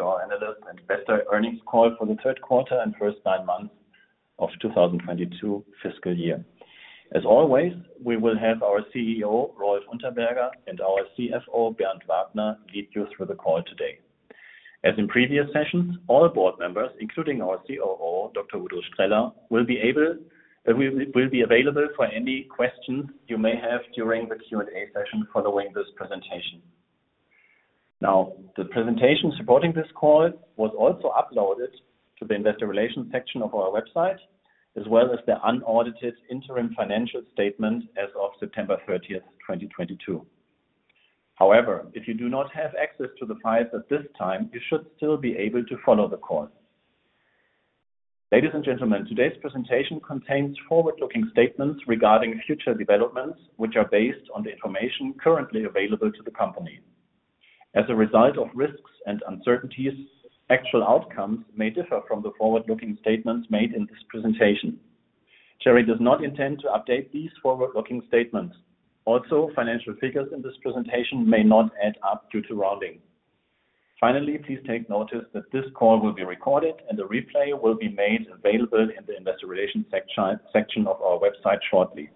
Welcome to our Analyst and Investor Earnings Call for the Q3 and first nine months of FY2022. As always, we will have our CEO, Rolf Unterbäumer, and our CFO, Bernd Wagner-Witteler, lead you through the call today. As in previous sessions, all board members, including our COO, Dr. Udo Streller, will be available for any questions you may have during the Q&A session following this presentation. Now, the presentation supporting this call was also uploaded to the Investor Relations section of our website, as well as the unaudited interim financial statement as of September 30, 2022. However, if you do not have access to the files at this time, you should still be able to follow the call. Ladies and gentlemen, today's presentation contains forward-looking statements regarding future developments, which are based on the information currently available to the Company. As a result of risks and uncertainties, actual outcomes may differ from the forward-looking statements made in this presentation. Cherry does not intend to update these forward-looking statements. Also, financial figures in this presentation may not add up due to rounding. Finally, please take notice that this call will be recorded and the replay will be made available in the investor relations section of our website shortly.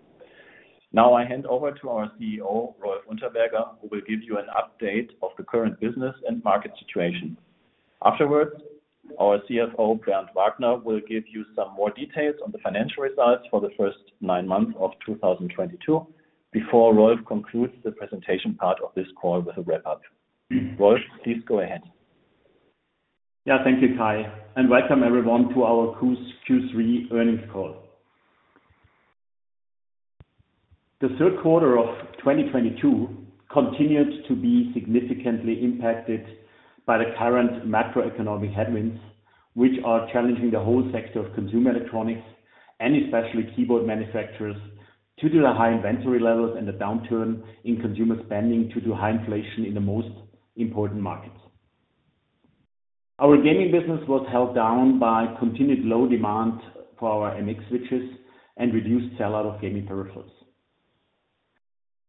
Now I hand over to our CEO, Rolf Unterbäumer, who will give you an update of the current business and market situation. Afterwards, our CFO, Bernd Wagner-Witteler, will give you some more details on the financial results for the first nine months of 2022, before Rolf concludes the presentation part of this call with a wrap-up. Rolf, please go ahead. Yeah. Thank you, Kai, and welcome everyone to our Q3 earnings call. The Q3 of 2022 continued to be significantly impacted by the current macroeconomic headwinds, which are challenging the whole sector of consumer electronics and especially keyboard manufacturers due to the high inventory levels and the downturn in consumer spending due to high inflation in the most important markets. Our gaming business was held down by continued low demand for our MX switches and reduced sell-out of gaming peripherals.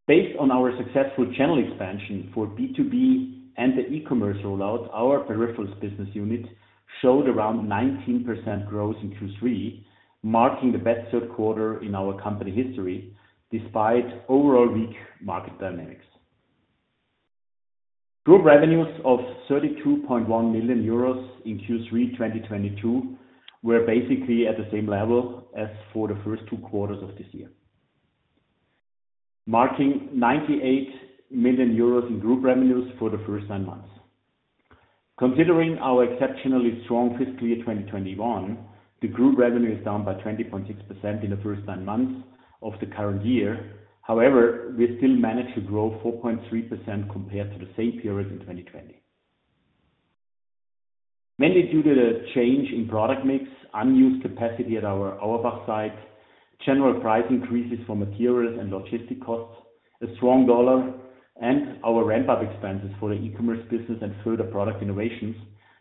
Based on our successful channel expansion for B2B and the e-commerce rollouts, our Peripherals Business Unit showed around 19% growth in Q3, marking the best Q3 in our company history despite overall weak market dynamics. Group revenues of 32.1 million euros in Q3 2022 were basically at the same level as for the first two quarters of this year, marking 98 million euros in group revenues for the first nine months. Considering our exceptionally strong FY2021, the group revenue is down by 20.6% in the first nine months of the current year. However, we still managed to grow 4.3% compared to the same period in 2020. Mainly due to the change in product mix, unused capacity at our Auerbach site, general price increases for materials and logistic costs, a strong U.S. dollar, and our ramp-up expenses for the e-commerce business and further product innovations,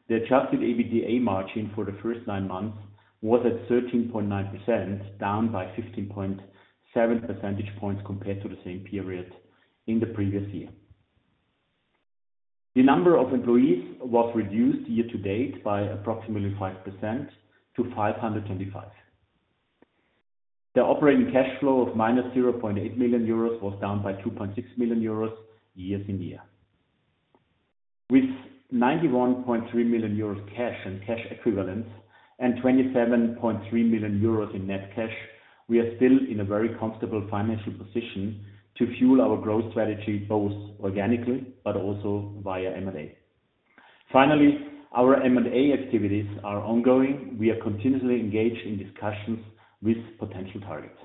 the adjusted EBITDA margin for the first nine months was at 13.9%, down by 15.7 percentage points compared to the same period in the previous year. The number of employees was reduced year to date by approximately 5% to 525. The operating cash flow of -0.8 million euros was down by 2.6 million euros year on year. With 91.3 million euros cash and cash equivalents and 27.3 million euros in net cash, we are still in a very comfortable financial position to fuel our growth strategy, both organically but also via M&A. Finally, our M&A activities are ongoing. We are continuously engaged in discussions with potential targets.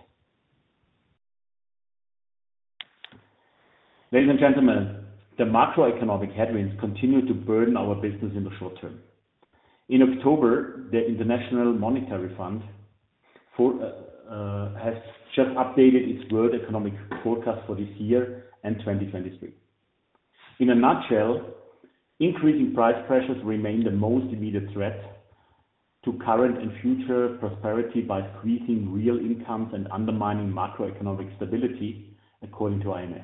Ladies and gentlemen, the macroeconomic headwinds continue to burden our business in the short term. In October, the International Monetary Fund has just updated its world economic forecast for this year and 2023. In a nutshell, increasing price pressures remain the most immediate threat to current and future prosperity by squeezing real incomes and undermining macroeconomic stability, according to IMF.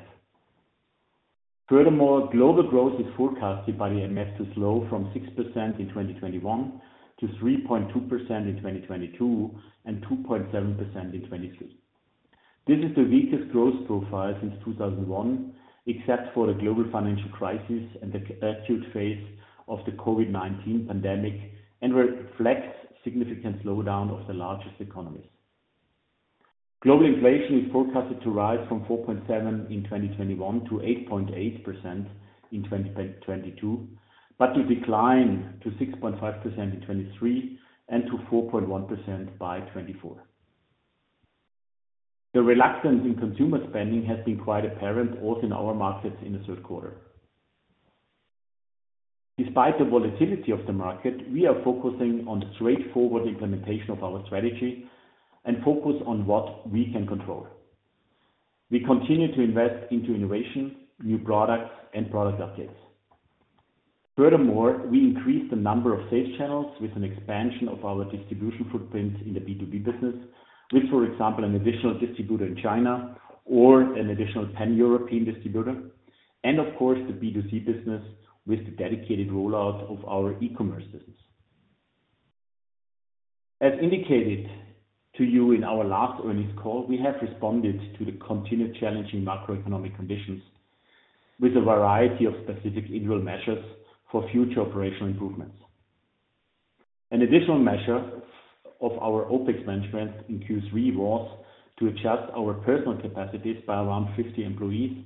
Furthermore, global growth is forecasted by the IMF to slow from 6% in 2021 to 3.2% in 2022 and 2.7% in 2023. This is the weakest growth profile since 2001, except for the global financial crisis and the acute phase of the COVID-19 pandemic, and reflects significant slowdown of the largest economies. Global inflation is forecasted to rise from 4.7% in 2021 to 8.8% in 2022, but to decline to 6.5% in 2023 and to 4.1% by 2024. The reluctance in consumer spending has been quite apparent also in our markets in the Q3. Despite the volatility of the market, we are focusing on the straightforward implementation of our strategy and focus on what we can control. We continue to invest into innovation, new products and product updates. Furthermore, we increased the number of sales channels with an expansion of our distribution footprint in the B2B business with, for example, an additional distributor in China or an additional 10 European distributors. Of course the B2C business with the dedicated rollout of our e-commerce business. As indicated to you in our last earnings call, we have responded to the continued challenging macroeconomic conditions with a variety of specific internal measures for future operational improvements. An additional measure of our OpEx management in Q3 was to adjust our personal capacities by around 50 employees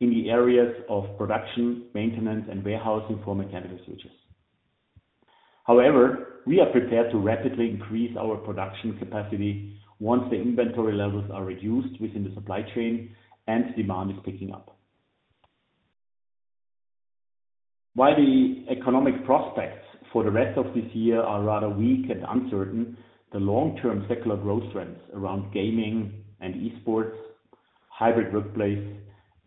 in the areas of production, maintenance, and warehousing for mechanical switches. However, we are prepared to rapidly increase our production capacity once the inventory levels are reduced within the supply chain and demand is picking up. While the economic prospects for the rest of this year are rather weak and uncertain, the long-term secular growth trends around gaming and e-sports, hybrid workplace,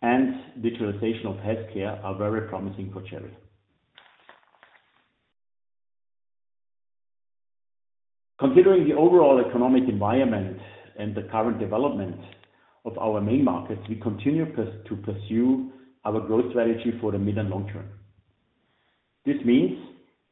and digitalization of healthcare are very promising for Cherry. Considering the overall economic environment and the current development of our main markets, we continue to pursue our growth strategy for the mid-and long term. This means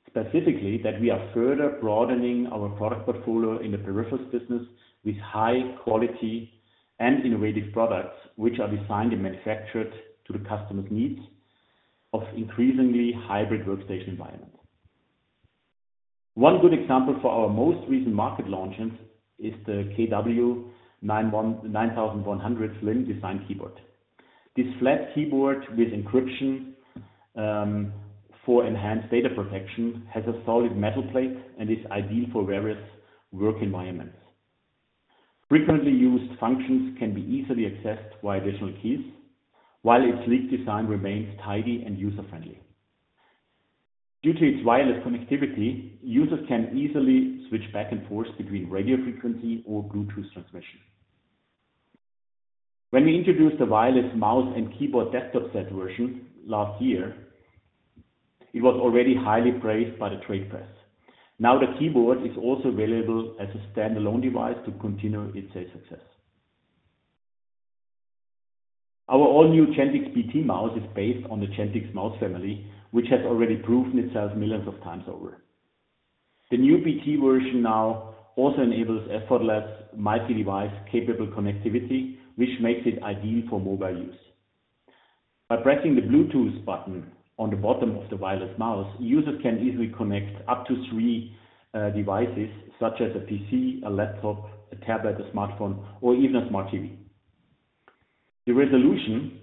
specifically that we are further broadening our product portfolio in the Peripherals Business with high-quality and innovative products, which are designed and manufactured to the customer's needs of increasingly hybrid workstation environments. One good example for our most recent market launches is the KW 9100 SLIM design keyboard. This flat keyboard with encryption for enhanced data protection has a solid metal plate and is ideal for various work environments. Frequently used functions can be easily accessed via additional keys, while its sleek design remains tidy and user-friendly. Due to its wireless connectivity, users can easily switch back and forth between radio frequency or Bluetooth transmission. When we introduced the wireless mouse and keyboard desktop set version last year, it was already highly praised by the trade press. Now, the keyboard is also available as a standalone device to continue its sales success. Our all-new GENTIX BT mouse is based on the GENTIX mouse family, which has already proven itself millions of times over. The new BT version now also enables effortless multi-device capable connectivity, which makes it ideal for mobile use. By pressing the Bluetooth button on the bottom of the wireless mouse, users can easily connect up to three devices such as a PC, a laptop, a tablet, a smartphone, or even a smart TV. The resolution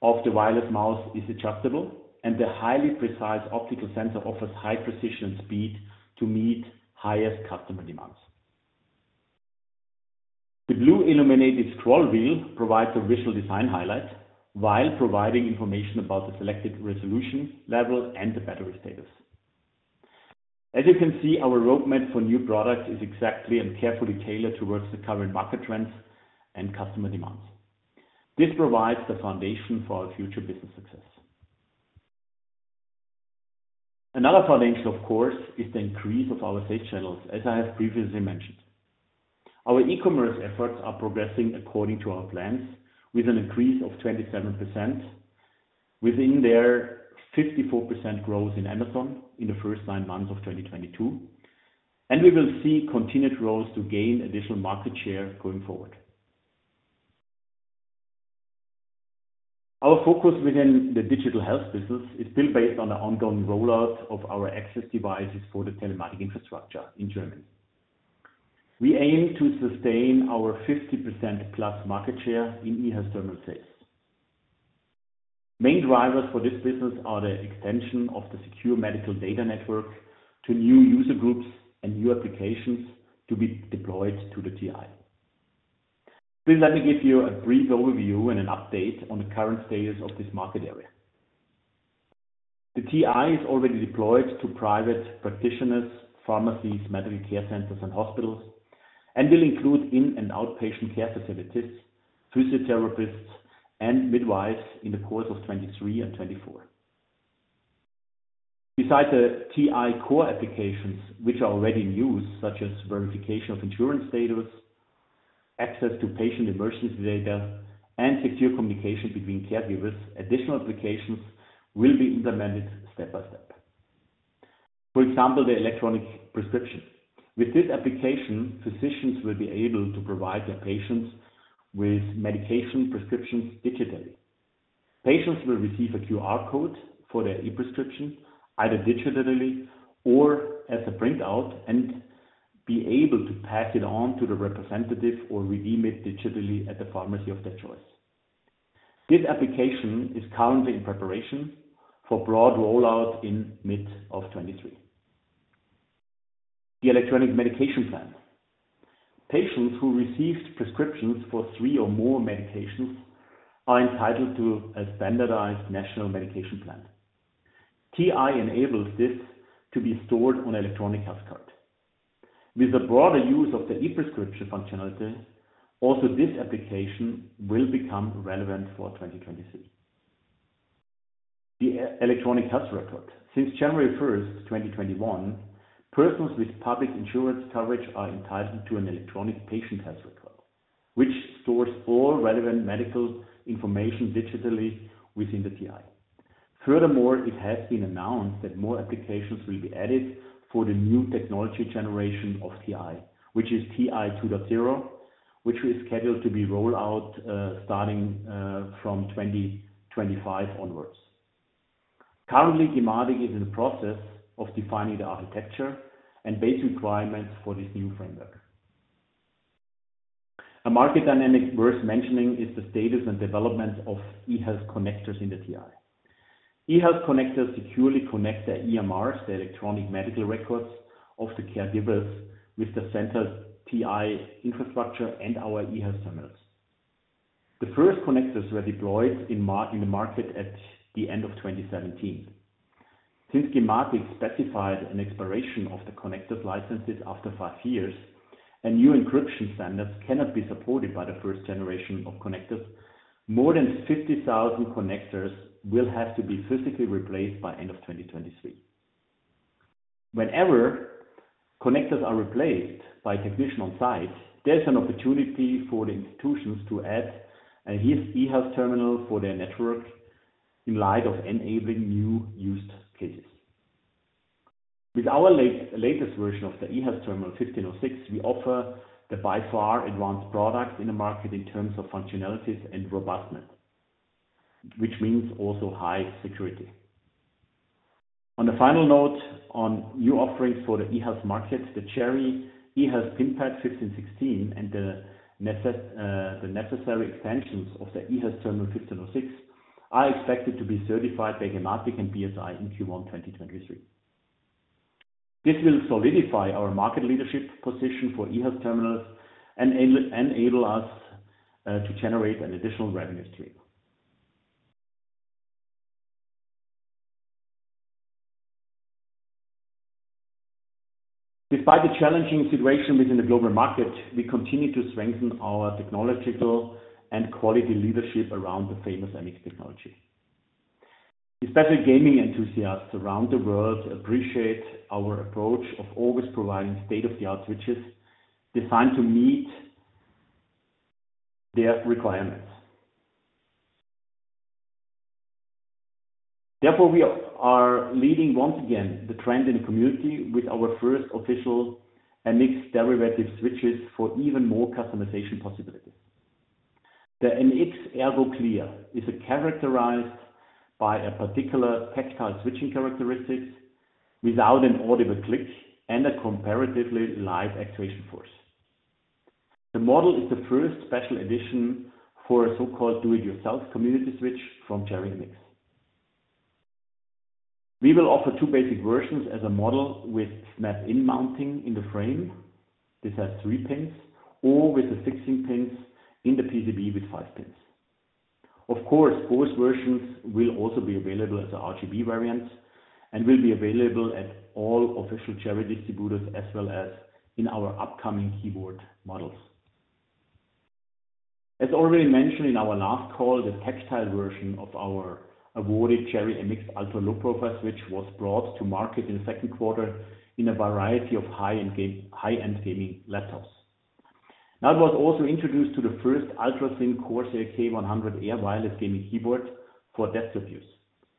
of the wireless mouse is adjustable, and the highly precise optical sensor offers high precision speed to meet highest customer demands. The blue illuminated scroll wheel provides a visual design highlight while providing information about the selected resolution level and the battery status. As you can see, our roadmap for new products is exactly and carefully tailored towards the current market trends and customer demands. This provides the foundation for our future business success. Another foundation, of course, is the increase of our sales channels, as I have previously mentioned. Our e-commerce efforts are progressing according to our plans with an increase of 27% within their 54% growth in Amazon in the first nine months of 2022. We will see continued growth to gain additional market share going forward. Our focus within the digital health business is still based on the ongoing rollout of our access devices for the telematics infrastructure in Germany. We aim to sustain our 50% plus market share in eHealth terminal sales. Main drivers for this business are the extension of the secure medical data network to new user groups and new applications to be deployed to the TI. Please let me give you a brief overview and an update on the current status of this market area. The TI is already deployed to private practitioners, pharmacies, medical care centers, and hospitals, and will include inpatient and outpatient care facilities, physiotherapists, and midwives in the course of 2023 and 2024. Besides the TI core applications, which are already in use, such as verification of insurance status, access to patient emergency data, and secure communication between caregivers, additional applications will be implemented step by step. For example, the electronic prescription. With this application, physicians will be able to provide their patients with medication prescriptions digitally. Patients will receive a QR code for their e-prescription, either digitally or as a printout, and be able to pass it on to the representative or redeem it digitally at the pharmacy of their choice. This application is currently in preparation for broad rollout in mid-2023. The electronic medication plan. Patients who received prescriptions for three or more medications are entitled to a standardized national medication plan. TI enables this to be stored on electronic health card. With the broader use of the e-prescription functionality, also this application will become relevant for 2023. The electronic health record. Since January 1, 2021, persons with public insurance coverage are entitled to an electronic patient health record which stores all relevant medical information digitally within the TI. Furthermore, it has been announced that more applications will be added for the new technology generation of TI, which is TI 2.0, which is scheduled to be rolled out, starting from 2025 onwards. Currently, gematik is in the process of defining the architecture and base requirements for this new framework. A market dynamic worth mentioning is the status and development of eHealth connectors in the TI. eHealth connectors securely connect the EMRs, the electronic medical records of the caregivers with the center's TI infrastructure and our eHealth terminals. The first connectors were deployed in the market at the end of 2017. Since gematik specified an expiration of the connector's licenses after five years and new encryption standards cannot be supported by the first generation of connectors, more than 50,000 connectors will have to be physically replaced by end of 2023. Whenever connectors are replaced by technician on site, there's an opportunity for the institutions to add an eHealth terminal for their network in light of enabling new use cases. With our latest version of the eHealth Terminal 1506, we offer the by far advanced product in the market in terms of functionalities and robustness, which means also high security. On a final note on new offerings for the eHealth market, the Cherry eHealth PIN Pad 1516 and the necessary extensions of the eHealth Terminal 1506 are expected to be certified by gematik and BSI in Q1 2023. This will solidify our market leadership position for eHealth terminals and enable us to generate an additional revenue stream. Despite the challenging situation within the global market, we continue to strengthen our technological and quality leadership around the famous MX technology. Especially gaming enthusiasts around the world appreciate our approach of always providing state-of-the-art switches designed to meet their requirements. Therefore, we are leading once again the trend in the community with our first official MX derivative switches for even more customization possibilities. The MX Ergo Clear is characterized by a particular tactile switching characteristics without an audible click and a comparatively light actuation force. The model is the first special edition for a so-called do it yourself community switch from Cherry MX. We will offer two basic versions as a model with snap-in mounting in the frame. This has three pins or with the fixing pins in the PCB with five pins. Of course, both versions will also be available as a RGB variant and will be available at all official Cherry distributors as well as in our upcoming keyboard models. As already mentioned in our last call, the tactile version of our awarded Cherry MX Ultra Low Profile switch was brought to market in the second quarter in a variety of high-end gaming laptops. That was also introduced in the first ultra-thin Corsair K100 AIR wireless gaming keyboard for desktop use,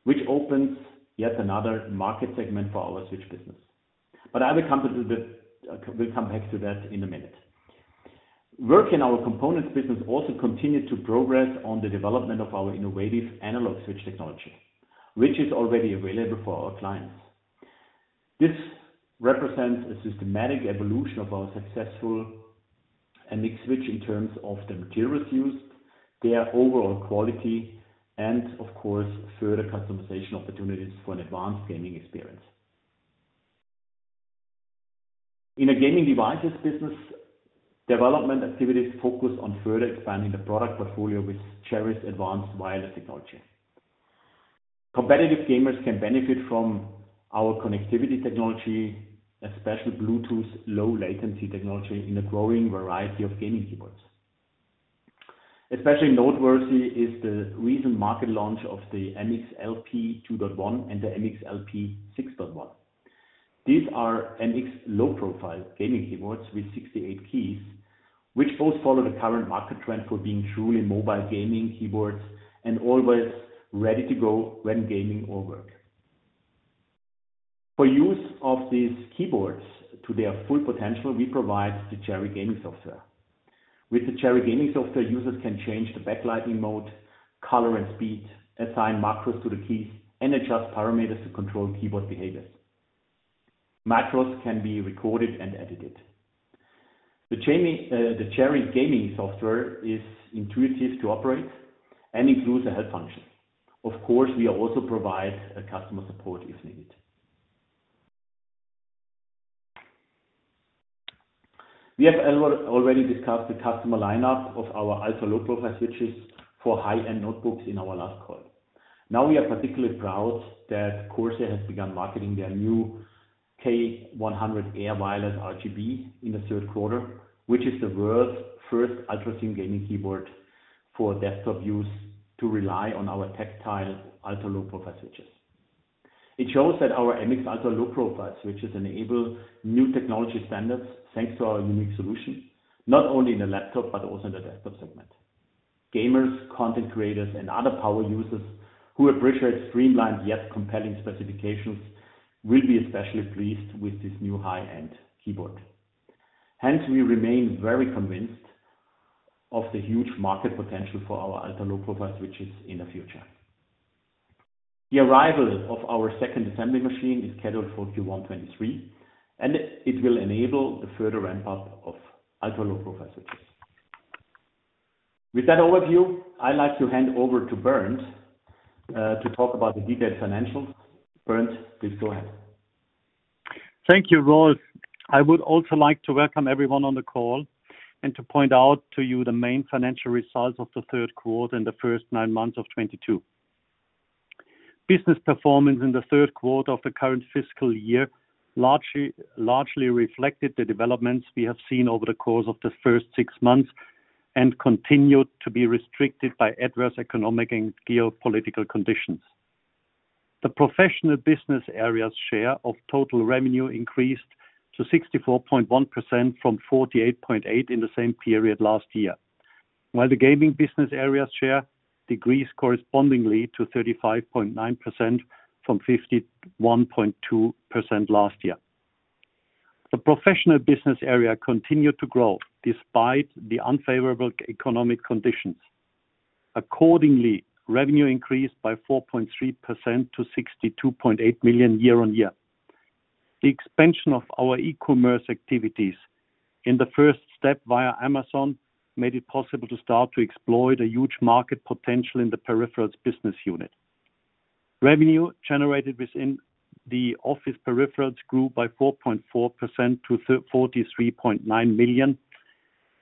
which opens yet another market segment for our switch business. We'll come back to that in a minute. Work in our Components Business also continued to progress on the development of our innovative analog switch technology, which is already available for our clients. This represents a systematic evolution of our successful MX switch in terms of the materials used, their overall quality, and of course, further customization opportunities for an advanced gaming experience. In the gaming devices business, development activities focus on further expanding the product portfolio with Cherry's advanced wireless technology. Competitive gamers can benefit from our connectivity technology, especially Bluetooth low latency technology in a growing variety of gaming keyboards. Especially noteworthy is the recent market launch of the MX LP 2.1 and the MX LP 6.1. These are MX Low Profile gaming keyboards with 68 keys, which both follow the current market trend for being truly mobile gaming keyboards and always ready to go when gaming or work. For use of these keyboards to their full potential, we provide the Cherry Gaming Software. With the Cherry Gaming Software, users can change the backlighting mode, color and speed, assign macros to the keys, and adjust parameters to control keyboard behaviors. Macros can be recorded and edited. The Cherry Gaming Software is intuitive to operate and includes a help function. Of course, we also provide customer support if needed. We have already discussed the customer lineup of our ultra low profile switches for high-end notebooks in our last call. Now we are particularly proud that Corsair has begun marketing their new K100 AIR Wireless RGB in the Q3, which is the world's first ultra-thin gaming keyboard for desktop use to rely on our tactile ultra low profile switches. It shows that our MX Ultra Low Profile switches enable new technology standards thanks to our unique solution, not only in the laptop but also in the desktop segment. Gamers, content creators, and other power users who appreciate streamlined yet compelling specifications will be especially pleased with this new high-end keyboard. Hence, we remain very convinced of the huge market potential for our Ultra Low Profile switches in the future. The arrival of our second assembly machine is scheduled for Q1 2023, and it will enable the further ramp up of Ultra Low Profile switches. With that overview, I'd like to hand over to Bernd to talk about the detailed financials. Bernd, please go ahead. Thank you, Rolf. I would also like to welcome everyone on the call and to point out to you the main financial results of the Q3 and the first nine months of 2022. Business performance in the Q3 of the current fiscal year largely reflected the developments we have seen over the course of the first six months and continued to be restricted by adverse economic and geopolitical conditions. The professional business area's share of total revenue increased to 64.1% from 48.8% in the same period last year. While the gaming business area's share decreased correspondingly to 35.9% from 51.2% last year. The professional business area continued to grow despite the unfavorable economic conditions. Accordingly, revenue increased by 4.3% to 62.8 million year-over-year. The expansion of our e-commerce activities in the first step via Amazon made it possible to start to explore the huge market potential in the peripherals business unit. Revenue generated within the office peripherals grew by 4.4% to 43.9 million.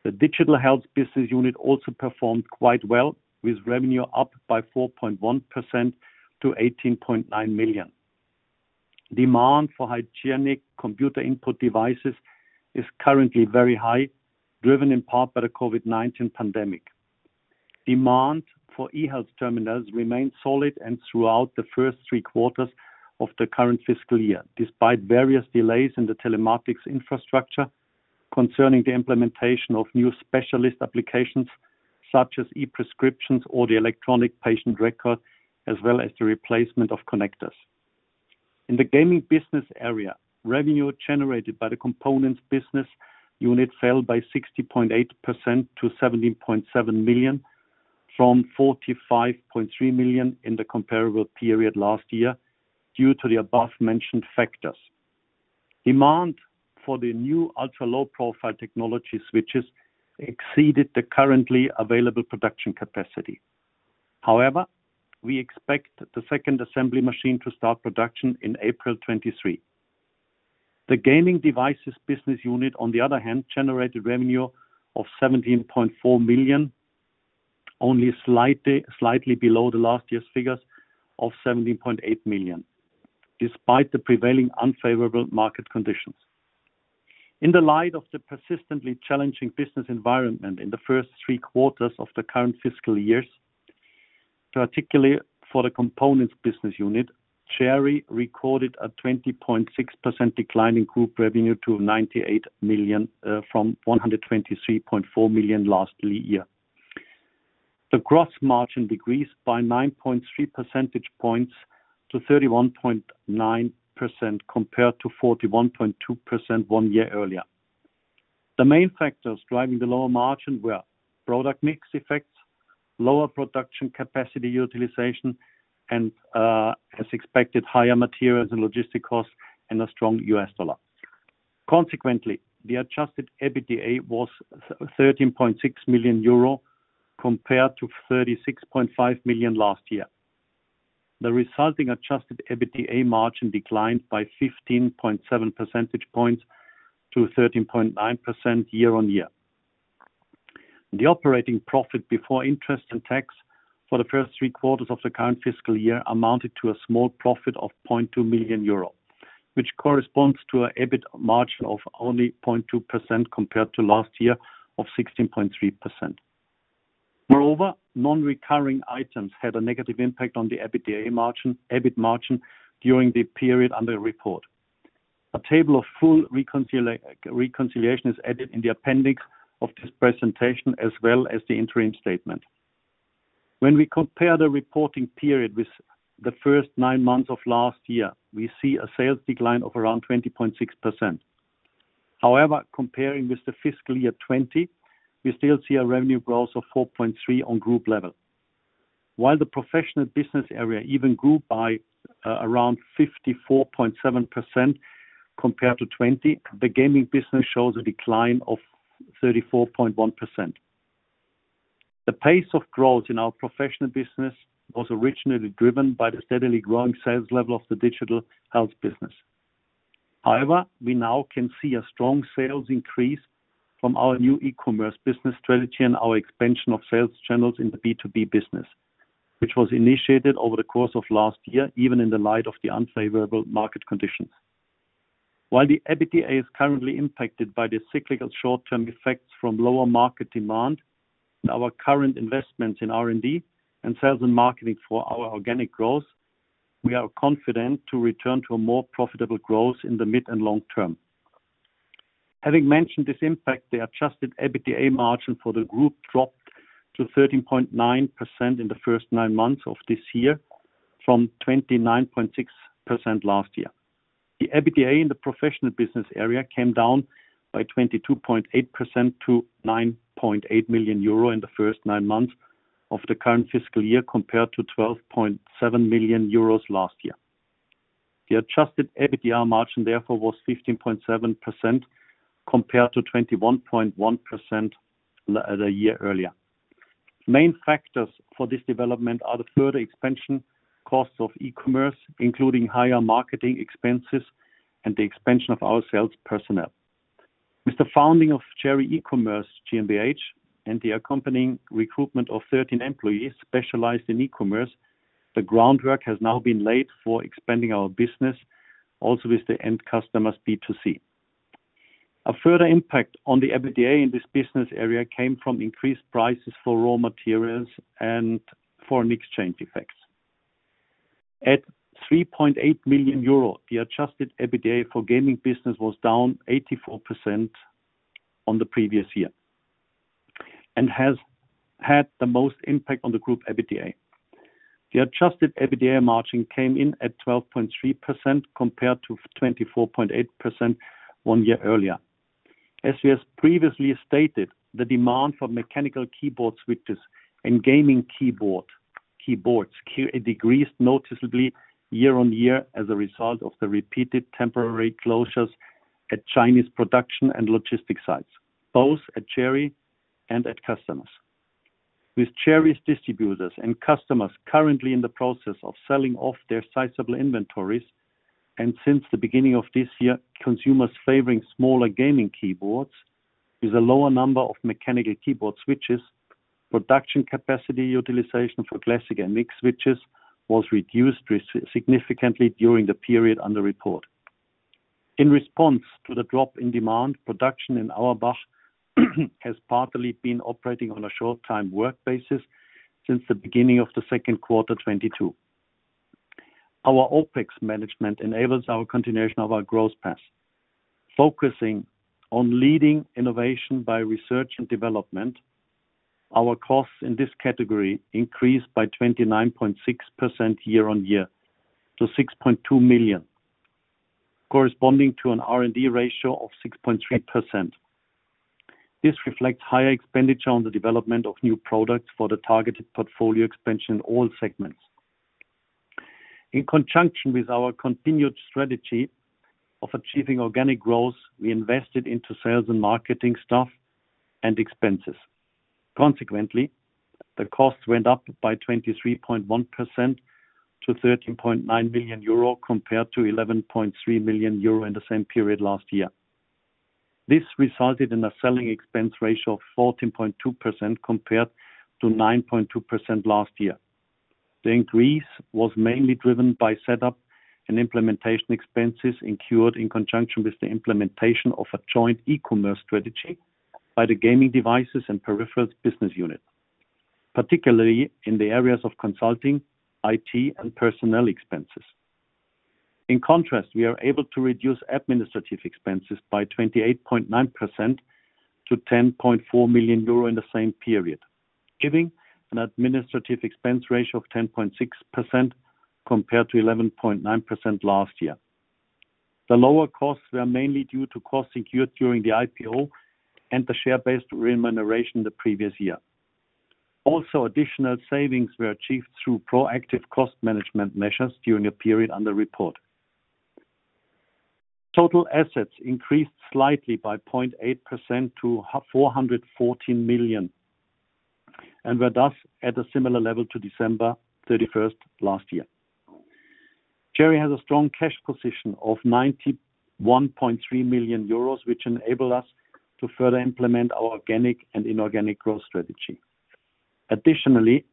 The digital health business unit also performed quite well, with revenue up by 4.1% to 18.9 million. Demand for hygienic computer input devices is currently very high, driven in part by the COVID-19 pandemic. Demand for eHealth terminals remained solid throughout the first three quarters of the current fiscal year, despite various delays in the telematics infrastructure concerning the implementation of new specialist applications such as e-prescriptions or the electronic patient record, as well as the replacement of connectors. In the gaming business area, revenue generated by the components business unit fell by 60.8% to 17.7 million from 45.3 million in the comparable period last year, due to the above-mentioned factors. Demand for the new Ultra Low Profile technology switches exceeded the currently available production capacity. However, we expect the second assembly machine to start production in April 2023. The gaming devices business unit, on the other hand, generated revenue of 17.4 million, only slightly below the last year's figures of 17.8 million, despite the prevailing unfavorable market conditions. In the light of the persistently challenging business environment in the first three quarters of the current fiscal year, particularly for the components business unit, Cherry recorded a 20.6% decline in group revenue to 98 million from 123.4 million last year. The gross margin decreased by 9.3 percentage points to 31.9% compared to 41.2% one year earlier. The main factors driving the lower margin were product mix effects, lower production capacity utilization, and, as expected, higher materials and logistics costs, and a strong U.S. dollar. Consequently, the adjusted EBITDA was 13.6 million euro compared to 36.5 million last year. The resulting adjusted EBITDA margin declined by 15.7 percentage points to 13.9% year-on-year. The operating profit before interest and tax for the first three quarters of the current fiscal year amounted to a small profit of 0.2 million euro, which corresponds to an EBIT margin of only 0.2% compared to last year of 16.3%. Moreover, non-recurring items had a negative impact on the EBITDA margin, EBIT margin during the period under report. A table of full reconciliation is added in the appendix of this presentation as well as the interim statement. When we compare the reporting period with the first nine months of last year, we see a sales decline of around 20.6%. However, comparing with the FY2020, we still see a revenue growth of 4.3% on group level. While the professional business area even grew by around 54.7% compared to 2020, the gaming business shows a decline of 34.1%. The pace of growth in our professional business was originally driven by the steadily growing sales level of the digital health business. However, we now can see a strong sales increase from our new e-commerce business strategy and our expansion of sales channels in the B2B business, which was initiated over the course of last year, even in the light of the unfavorable market conditions. While the EBITDA is currently impacted by the cyclical short-term effects from lower market demand and our current investments in R&D and sales and marketing for our organic growth, we are confident to return to a more profitable growth in the mid- and long term. Having mentioned this impact, the adjusted EBITDA margin for the group dropped to 13.9% in the first nine months of this year, from 29.6% last year. The EBITDA in the Professional Business Area came down by 22.8% to 9.8 million euro in the first nine months of the current fiscal year, compared to 12.7 million euros last year. The adjusted EBITDA margin therefore was 15.7% compared to 21.1% the year earlier. Main factors for this development are the further expansion costs of e-commerce, including higher marketing expenses and the expansion of our sales personnel. With the founding of Cherry E-Commerce GmbH and the accompanying recruitment of 13 employees specialized in e-commerce, the groundwork has now been laid for expanding our business also with the end customers B2C. A further impact on the EBITDA in this business area came from increased prices for raw materials and foreign exchange effects. At 3.8 million euro, the adjusted EBITDA for gaming business was down 84% on the previous year and has had the most impact on the group EBITDA. The adjusted EBITDA margin came in at 12.3% compared to 24.8% one year earlier. As we have previously stated, the demand for mechanical keyboard switches and gaming keyboards decreased noticeably year-on-year as a result of the repeated temporary closures at Chinese production and logistics sites, both at Cherry and at customers. With Cherry's distributors and customers currently in the process of selling off their sizable inventories, and since the beginning of this year, consumers favoring smaller gaming keyboards with a lower number of mechanical keyboard switches, production capacity utilization for classic and mixed switches was reduced significantly during the period under report. In response to the drop in demand, production in Auerbach has partly been operating on a short time work basis since the beginning of the Q2 2022. Our OpEx management enables our continuation of our growth path. Focusing on leading innovation by research and development, our costs in this category increased by 29.6% year-on-year to 6.2 million, corresponding to an R&D ratio of 6.3%. This reflects higher expenditure on the development of new products for the targeted portfolio expansion in all segments. In conjunction with our continued strategy of achieving organic growth, we invested into sales and marketing staff and expenses. Consequently, the costs went up by 23.1% to 13.9 million euro, compared to 11.3 million euro in the same period last year. This resulted in a selling expense ratio of 14.2% compared to 9.2% last year. The increase was mainly driven by setup and implementation expenses incurred in conjunction with the implementation of a joint e-commerce strategy by the gaming devices and peripherals business unit, particularly in the areas of consulting, IT, and personnel expenses. In contrast, we are able to reduce administrative expenses by 28.9% to 10.4 million euro in the same period, giving an administrative expense ratio of 10.6% compared to 11.9% last year. The lower costs were mainly due to costs incurred during the IPO and the share-based remuneration the previous year. Additional savings were achieved through proactive cost management measures during a period under report. Total assets increased slightly by 0.8% to 414 million, and were thus at a similar level to December 31 last year. Cherry has a strong cash position of 91.3 million euros, which enable us to further implement our organic and inorganic growth strategy. Additionally,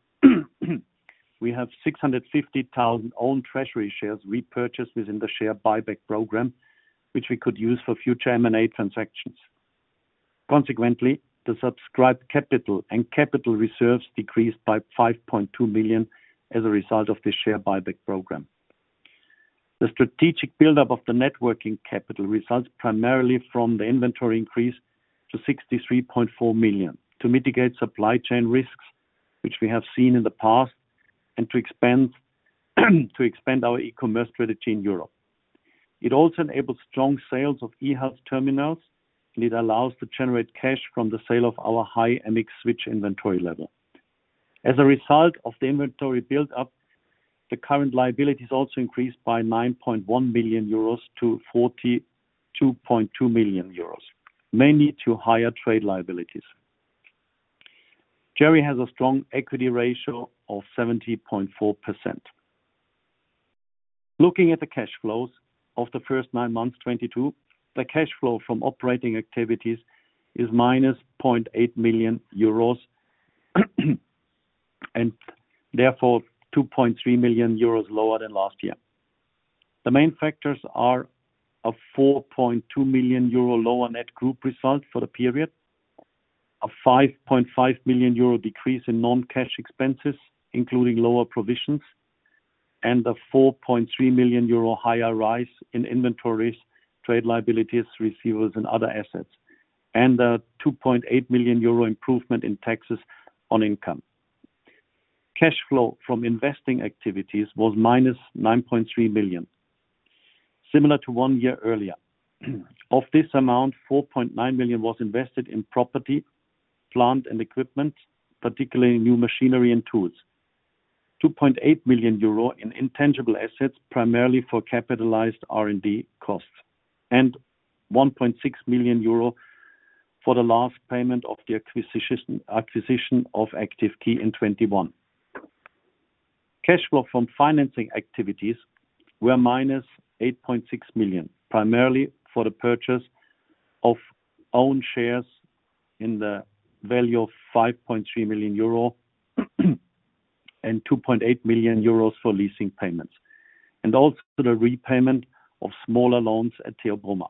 we have 650,000 own treasury shares repurchased within the share buyback program, which we could use for future M&A transactions. Consequently, the subscribed capital and capital reserves decreased by 5.2 million as a result of the share buyback program. The strategic buildup of the net working capital results primarily from the inventory increase to 63.4 million to mitigate supply chain risks, which we have seen in the past, and to expand our e-commerce strategy in Europe. It also enables strong sales of eHealth terminals, and it allows to generate cash from the sale of our high MX switch inventory level. As a result of the inventory buildup, the current liabilities also increased by 9.1 million euros to 42.2 million euros, mainly due to higher trade liabilities. Cherry has a strong equity ratio of 70.4%. Looking at the cash flows of the first nine months 2022, the cash flow from operating activities is -0.8 million euros. Therefore, 2.3 million euros lower than last year. The main factors are a 4.2 million euro lower net group result for the period, a 5.5 million euro decrease in non-cash expenses, including lower provisions, and a 4.3 million euro higher rise in inventories, trade liabilities, receivables, and other assets, and a 2.8 million euro improvement in taxes on income. Cash flow from investing activities was -9.3 million, similar to one year earlier. Of this amount, 4.9 million was invested in property, plant, and equipment, particularly new machinery and tools. 2.8 million euro in intangible assets, primarily for capitalized R&D costs, and 1.6 million euro for the last payment of the acquisition of Active Key in 2021. Cash flow from financing activities were -8.6 million, primarily for the purchase of own shares in the value of 5.3 million euro and 2.8 million euros for leasing payments, and also the repayment of smaller loans at Theobroma.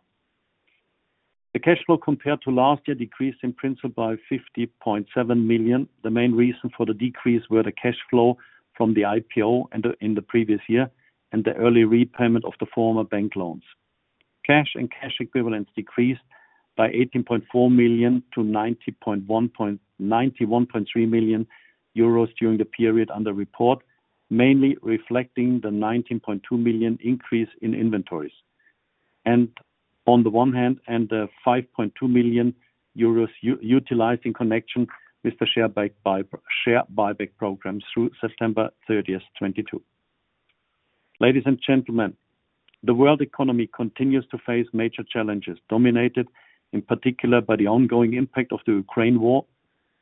The cash flow compared to last year decreased in principle by 50.7 million. The main reason for the decrease were the cash flow from the IPO in the previous year and the early repayment of the former bank loans. Cash and cash equivalents decreased by 18.4 million to 91.3 million euros during the period under report, mainly reflecting the 19.2 million increase in inventories. On the one hand, the 5.2 million euros utilizing connection with the share buyback program through September 30, 2022. Ladies and gentlemen, the world economy continues to face major challenges, dominated in particular by the ongoing impact of the Ukraine war,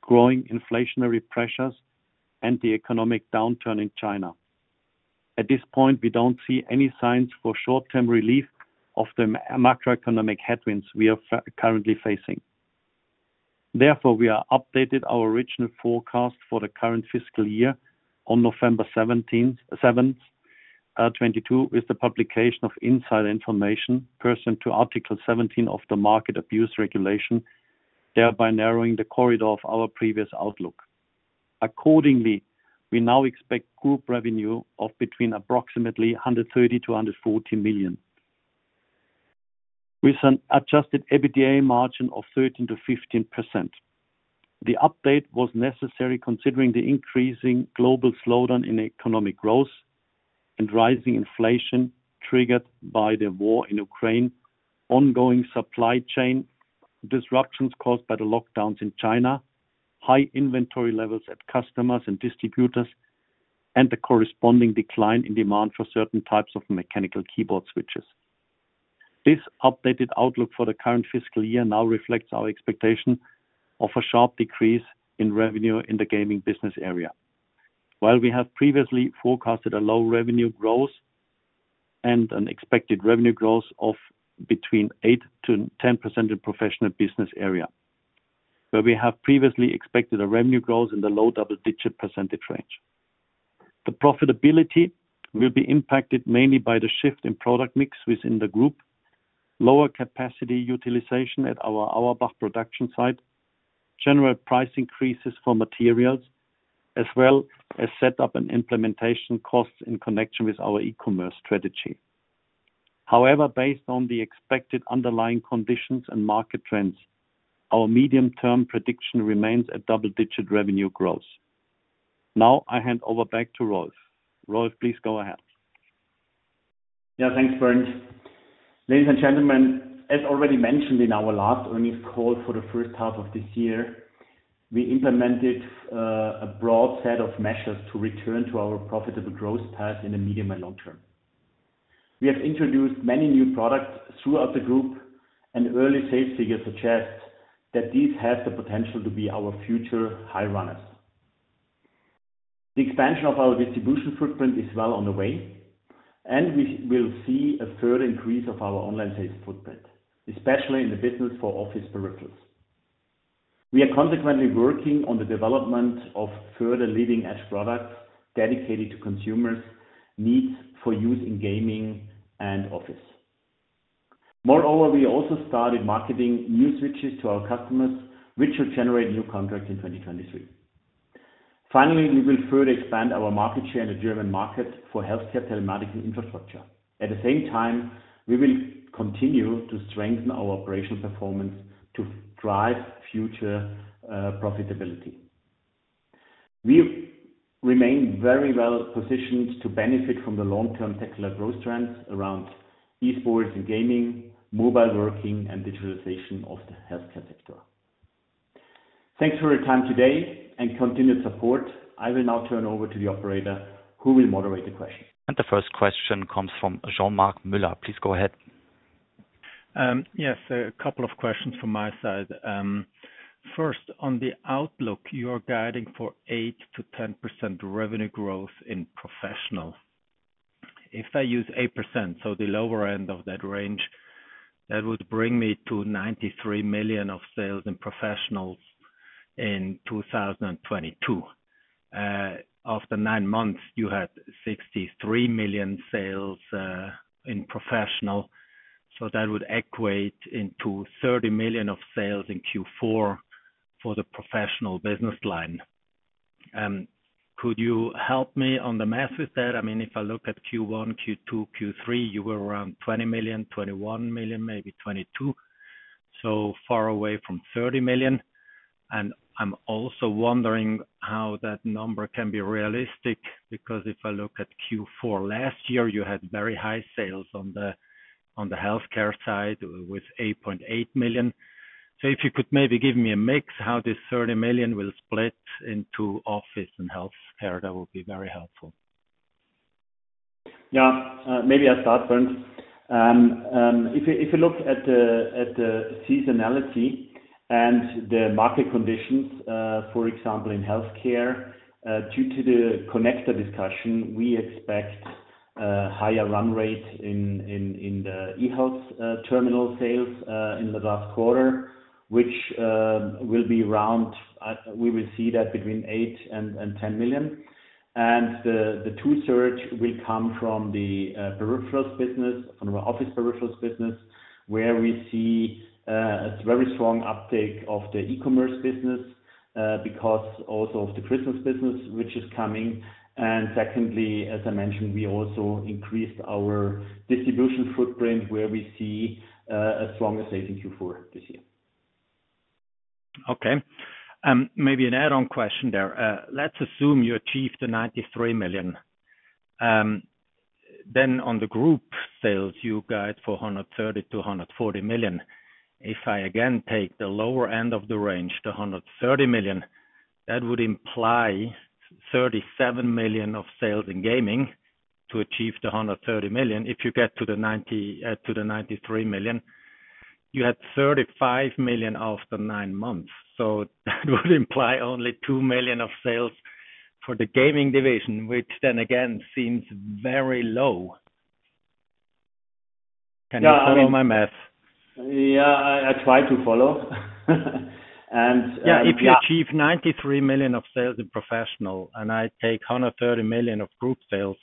growing inflationary pressures, and the economic downturn in China. At this point, we don't see any signs for short-term relief of the macroeconomic headwinds we are currently facing. Therefore, we updated our original forecast for the current fiscal year on November 7, 2022, with the publication of inside information pursuant to Article 17 of the Market Abuse Regulation, thereby narrowing the corridor of our previous outlook. Accordingly, we now expect group revenue of between approximately 130 million to 140 million, with an adjusted EBITDA margin of 13%-15%. The update was necessary considering the increasing global slowdown in economic growth and rising inflation triggered by the war in Ukraine, ongoing supply chain disruptions caused by the lockdowns in China, high inventory levels at customers and distributors, and the corresponding decline in demand for certain types of mechanical keyboard switches. This updated outlook for the current fiscal year now reflects our expectation of a sharp decrease in revenue in the gaming business area. While we have previously forecasted a low revenue growth and an expected revenue growth of between 8%-10% in professional business area, where we have previously expected a revenue growth in the low double-digit percentage range. The profitability will be impacted mainly by the shift in product mix within the group, lower capacity utilization at our Auerbach production site, general price increases for materials, as well as set up and implementation costs in connection with our e-commerce strategy. However, based on the expected underlying conditions and market trends, our medium-term prediction remains a double-digit revenue growth. Now I hand over back to Rolf. Rolf, please go ahead. Yeah, thanks, Bernd. Ladies and gentlemen, as already mentioned in our last earnings call for the first half of this year, we implemented a broad set of measures to return to our profitable growth path in the medium and long term. We have introduced many new products throughout the group, and early sales figures suggest that these have the potential to be our future high runners. The expansion of our distribution footprint is well on the way, and we will see a further increase of our online sales footprint, especially in the business for office peripherals. We are consequently working on the development of further leading-edge products dedicated to consumers' needs for use in gaming and office. Moreover, we also started marketing new switches to our customers, which will generate new contracts in 2023. Finally, we will further expand our market share in the German market for healthcare telematics and infrastructure. At the same time, we will continue to strengthen our operational performance to drive future profitability. We remain very well positioned to benefit from the long-term secular growth trends around e-sports and gaming, mobile working, and digitalization of the healthcare sector. Thanks for your time today and continued support. I will now turn over to the operator who will moderate the questions. The first question comes from Jean-Marc Muller. Please go ahead. Yes, a couple of questions from my side. First, on the outlook, you're guiding for 8%-10% revenue growth in professional. If I use 8%, so the lower end of that range, that would bring me to 93 million of sales in professionals in 2022. After nine months, you had 63 million sales in professional. So that would equate into 30 million of sales in Q4 for the professional business line. Could you help me on the math with that? I mean, if I look at Q1, Q2 and Q3, you were around 20 million, 21 million, maybe 22 million, so far away from 30 million. I'm also wondering how that number can be realistic, because if I look at Q4 last year, you had very high sales on the healthcare side with 8.8 million. If you could maybe give me a mix how this 30 million will split into office and healthcare, that will be very helpful. Yeah. Maybe I'll start, Bernd. If you look at the seasonality and the market conditions, for example, in healthcare, due to the connector discussion, we expect higher run rate in the eHealth terminal sales in the last quarter, which will be around, we will see that between 8 million and 10 million. The other source will come from the peripherals business, from our office peripherals business, where we see a very strong uptake of the e-commerce business because also of the Christmas business which is coming. Secondly, as I mentioned, we also increased our distribution footprint where we see as strong as we saw in Q4 this year. Maybe an add-on question there. Let's assume you achieve the 93 million. On the group sales, you guide 130 million-140 million. If I again take the lower end of the range, the 130 million, that would imply 37 million of sales in gaming to achieve the 130 million. If you get to the 93 million, you had 35 million after nine months. That would imply only 2 million of sales for the gaming division, which then again seems very low. Yeah. I mean. Can you follow my math? Yeah, I try to follow. Yeah, if you achieve 93 million of sales in professional and I take 130 million of group sales,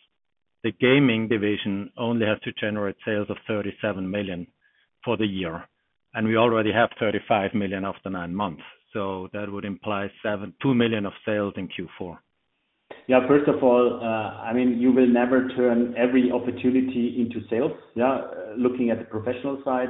the gaming division only has to generate sales of 37 million for the year, and we already have 35 million after nine months. That would imply two million of sales in Q4. Yeah. First of all, I mean, you will never turn every opportunity into sales. Yeah. Looking at the professional side,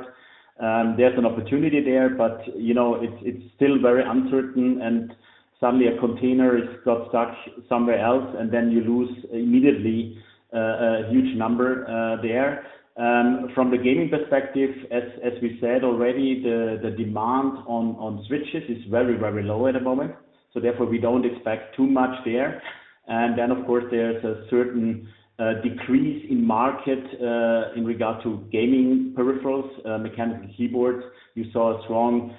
there's an opportunity there, but, you know, it's still very uncertain, and suddenly a container is got stuck somewhere else and then you lose immediately a huge number there. From the gaming perspective, as we said already, the demand on switches is very low at the moment, so therefore we don't expect too much there. Of course there's a certain decrease in market in regard to gaming peripherals, mechanical keyboards. You saw a strong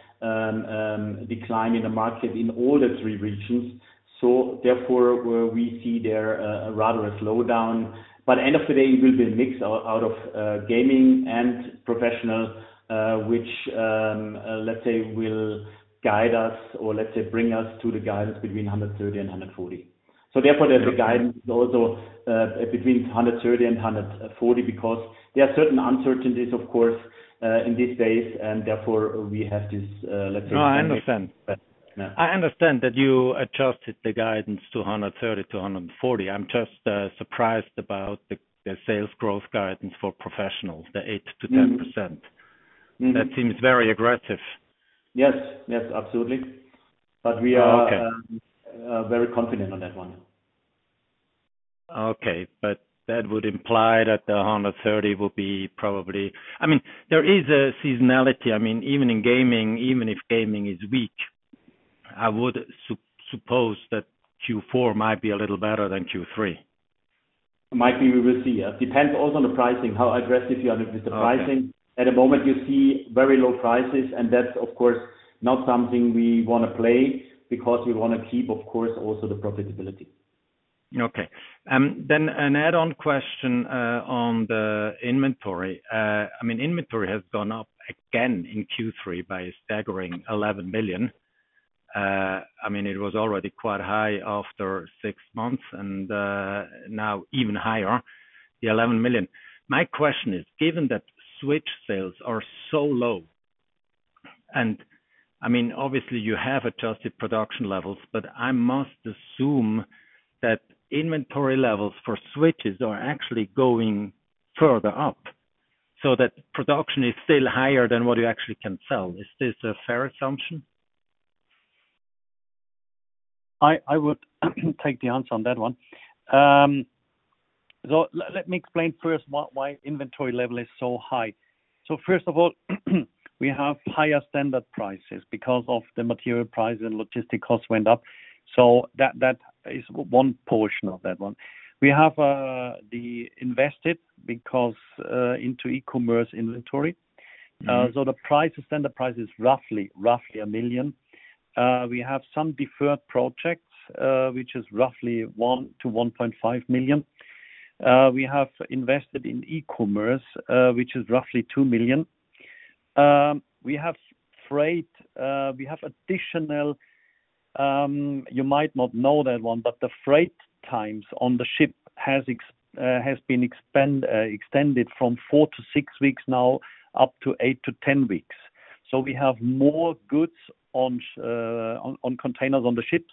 decline in the market in all the three regions. Therefore we see there a rather slowdown. end of the day, it will be a mix out of gaming and professional, which let's say will guide us or let's say bring us to the guidance between 130 and 140. therefore there's a guidance also between 130 and 140 because there are certain uncertainties of course in these days and therefore we have this let's say. No, I understand. Yeah. I understand that you adjusted the guidance to 130-140 million. I'm just surprised about the sales growth guidance for professionals, the 8%-10%. Mm-hmm. That seems very aggressive. Yes. Yes, absolutely. Okay Very confident on that one. Okay. That would imply that the 130 million will be probably. I mean, there is a seasonality. I mean, even in gaming, even if gaming is weak, I would suppose that Q4 might be a little better than Q3. Might be. We will see. Yeah. Depends also on the pricing, how aggressive you are with the pricing. Okay. At the moment you see very low prices, and that's of course not something we wanna play because we wanna keep of course also the profitability. An add-on question on the inventory. I mean, inventory has gone up again in Q3 by a staggering 11 million. I mean, it was already quite high after six months and now even higher, the 11 million. My question is, given that switch sales are so low, and I mean, obviously you have adjusted production levels, but I must assume that inventory levels for switches are actually going further up so that production is still higher than what you actually can sell. Is this a fair assumption? I would take the answer on that one. Let me explain first why inventory level is so high. First of all, we have higher standard prices because of the material price and logistics costs went up. That is one portion of that one. We have invested into e-commerce inventory. Mm-hmm. The standard price is roughly 1 million. We have some deferred projects, which is roughly 1-1.5 million. We have invested in e-commerce, which is roughly 2 million. We have freight. We have additional, you might not know that one, but the freight times on the ship has been extended from four-six weeks now up to eight-10 weeks. We have more goods on containers on the ships,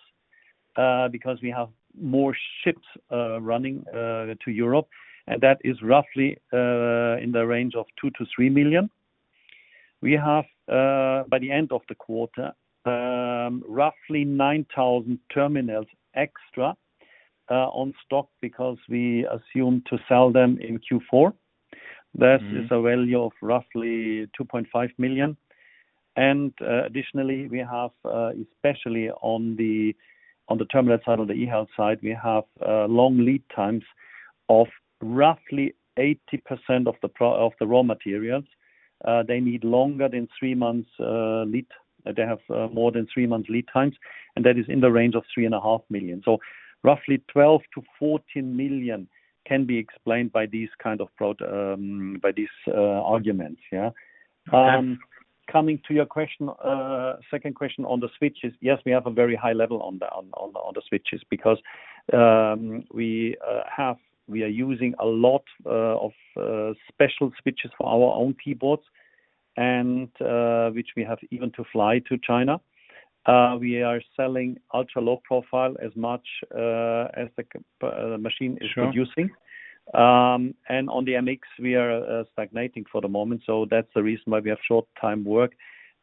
because we have more ships running to Europe, and that is roughly in the range of 2-3 million. We have, by the end of the quarter, roughly 9,000 terminals extra on stock because we assume to sell them in Q4. Mm-hmm. That is a value of roughly 2.5 million. Additionally, we have especially on the terminal side, on the eHealth side, we have long lead times of roughly 80% of the raw materials. They need longer than three months lead. They have more than three months lead times, and that is in the range of 3.5 million. Roughly 12 million-14 million can be explained by these kind of arguments. Coming to your question, second question on the switches. Yes, we have a very high level on the switches because we are using a lot of special switches for our own keyboards and which we have even to fly to China. We are selling Ultra Low Profile as much as the machine- Sure. is producing. On the MX we are stagnating for the moment, so that's the reason why we have short time work.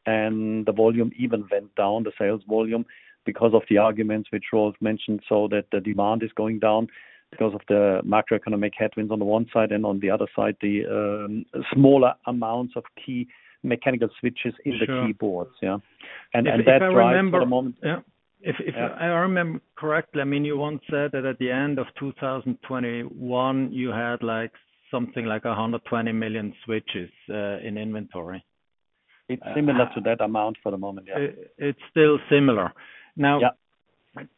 The volume even went down, the sales volume, because of the arguments which Rolf mentioned, so that the demand is going down because of the macroeconomic headwinds on the one side and on the other side, the smaller amounts of key mechanical switches. Sure. in the keyboards, yeah. That drives for the moment. Yeah. Yeah. If I remember correctly, I mean, you once said that at the end of 2021 you had like something like 120 million switches in inventory. It's similar to that amount for the moment, yeah. It's still similar. Yeah. Now,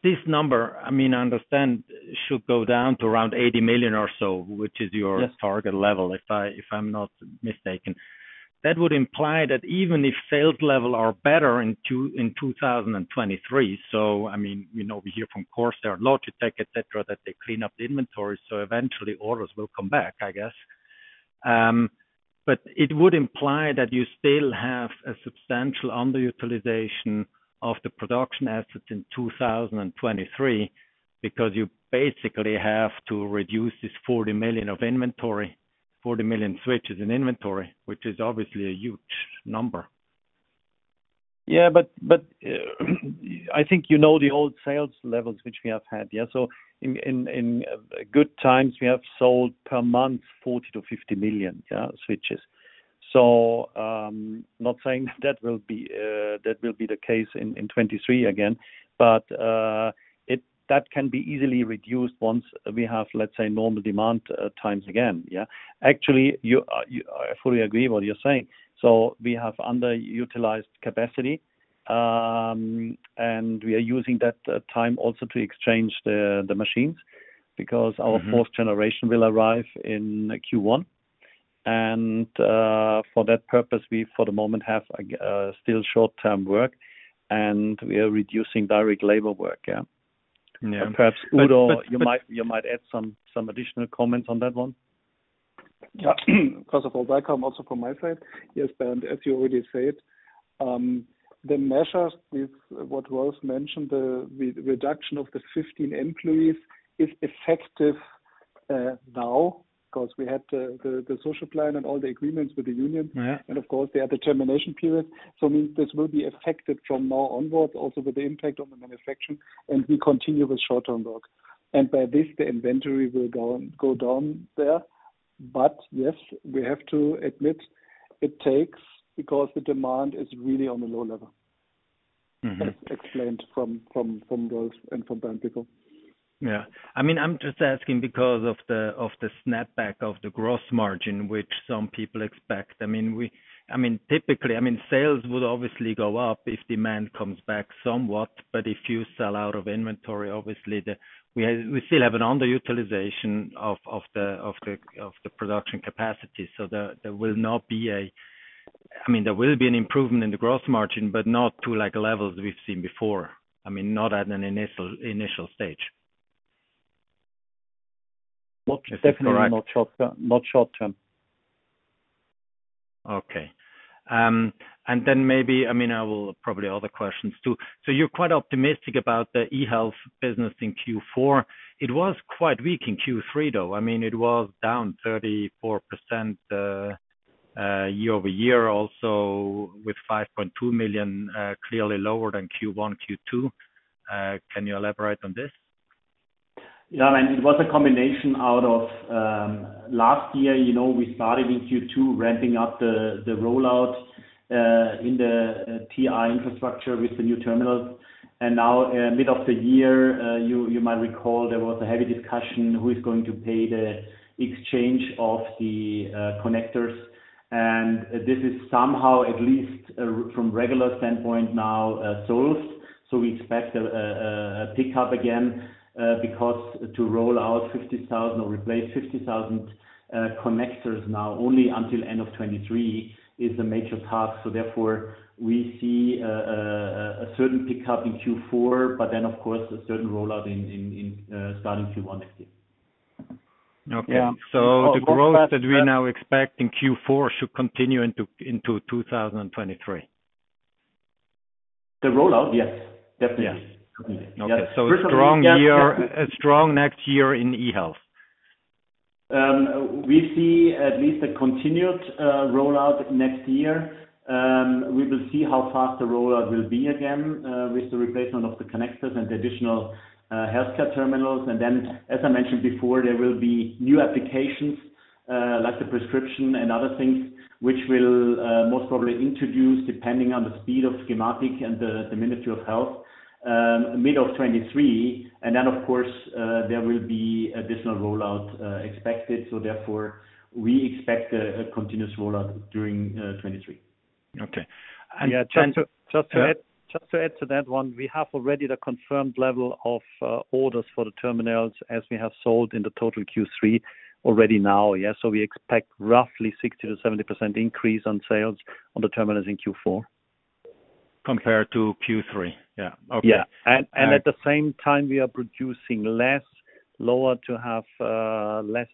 this number, I mean, I understand should go down to around 80 million or so, which is your- Yes. Target level, if I'm not mistaken. That would imply that even if sales level are better in 2023, I mean, you know, we hear from Corsair, Logitech, et cetera, that they clean up the inventory, so eventually orders will come back, I guess. But it would imply that you still have a substantial underutilization of the production assets in 2023, because you basically have to reduce this 40 million switches in inventory, which is obviously a huge number. Yeah, but I think you know the old sales levels, which we have had, yeah. In good times, we have sold per month 40-50 million, yeah, switches. Not saying that will be the case in 2023 again. That can be easily reduced once we have, let's say, normal demand times again, yeah. Actually, I fully agree what you're saying. We have underutilized capacity, and we are using that time also to exchange the machines because our Mm-hmm. Fourth generation will arrive in Q1. For that purpose, we for the moment have still short-term work, and we are reducing direct labor work, yeah. Yeah. Perhaps Udo. But, but- You might add some additional comments on that one. Yeah. Of course, of course. I come also from my side. Yes, Bernd, as you already said, the measures with what Rolf mentioned, the re-reduction of the 15 employees is effective, now, 'cause we had the social plan and all the agreements with the union. Yeah. Of course, they had the termination period. Means this will be affected from now onwards, also with the impact on the manufacturing, and we continue with short-term work. By this, the inventory will go down there. Yes, we have to admit it takes because the demand is really on a low level. Mm-hmm. Like explained from Rolf and from Bernd Wagner-Witteler. Yeah. I mean, I'm just asking because of the snapback of the gross margin, which some people expect. I mean, typically, I mean, sales would obviously go up if demand comes back somewhat, but if you sell out of inventory, obviously we still have an underutilization of the production capacity. There will be an improvement in the gross margin, but not to like levels we've seen before. I mean, not at an initial stage. Is it correct? Well, definitely not short term. Okay. Maybe, I mean, I will probably other questions, too. You're quite optimistic about the eHealth business in Q4. It was quite weak in Q3, though. I mean, it was down 34%, year-over-year also with 5.2 million, clearly lower than Q1, Q2. Can you elaborate on this? Yeah, I mean, it was a combination out of last year, you know, we started in Q2 ramping up the rollout in the TI infrastructure with the new terminals. Now, mid of the year, you might recall there was a heavy discussion who is going to pay the exchange of the connectors. This is somehow at least, from regulatory standpoint now, solved. We expect a pickup again, because to roll out 50,000 or replace 50,000 connectors now only until end of 2023 is a major task. Therefore, we see a certain pickup in Q4, but then of course, a certain rollout in starting Q1 next year. The growth that we now expect in Q4 should continue into 2023. The rollout, yes, definitely. Yes. Okay. Strong year, a strong next year in eHealth. We see at least a continued rollout next year. We will see how fast the rollout will be again with the replacement of the connectors and the additional healthcare terminals. As I mentioned before, there will be new applications like the prescription and other things which will most probably introduce, depending on the speed of gematik and the Federal Ministry of Health, mid of 2023. Of course, there will be additional rollout expected. We expect a continuous rollout during 2023. Okay. Just to add to that one, we have already the confirmed level of orders for the terminals as we have sold in the total Q3 already now. We expect roughly 60%-70% increase on sales on the terminals in Q4. Compared to Q3? Yeah. Okay. Yeah. At the same time we are producing less to have less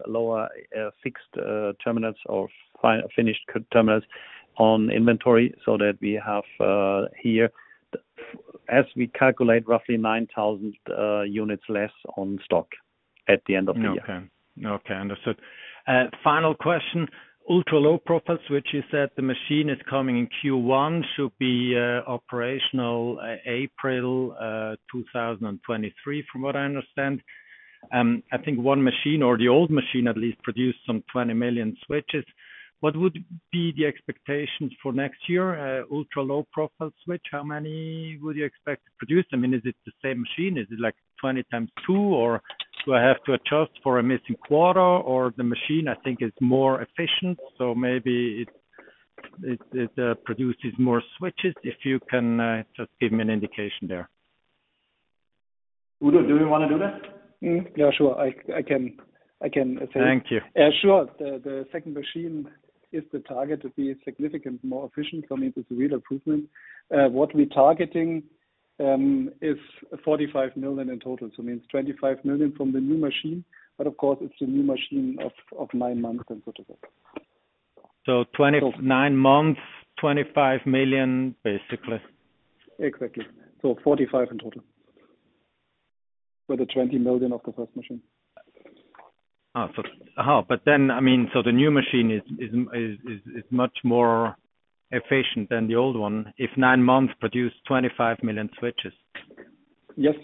fixed or finished terminals on inventory so that we have here, as we calculate, roughly 9,000 units less on stock at the end of the year. Okay. Understood. Final question. Ultra-low-profiles, which you said the machine is coming in Q1, should be operational April 2023, from what I understand. I think one machine or the old machine at least produced some 20 million switches. What would be the expectations for next year? Ultra-low profile switch. How many would you expect to produce? I mean, is it the same machine? Is it like 20 times 2, or do I have to adjust for a missing quarter, or the machine I think is more efficient, so maybe it produces more switches? If you can just give me an indication there. Udo, do you wanna do that? Yeah, sure. I can say. Thank you. Sure. The second machine is the target to be significantly more efficient for me with the real improvement. What we're targeting is 45 million in total. It means 25 million from the new machine. Of course it's a new machine of 9 months and sort of that. 29 months, 25 million, basically. Exactly. 45 million in total. For the 20 million of the first machine. I mean, the new machine is much more efficient than the old one, in nine months produced 25 million switches. Yes.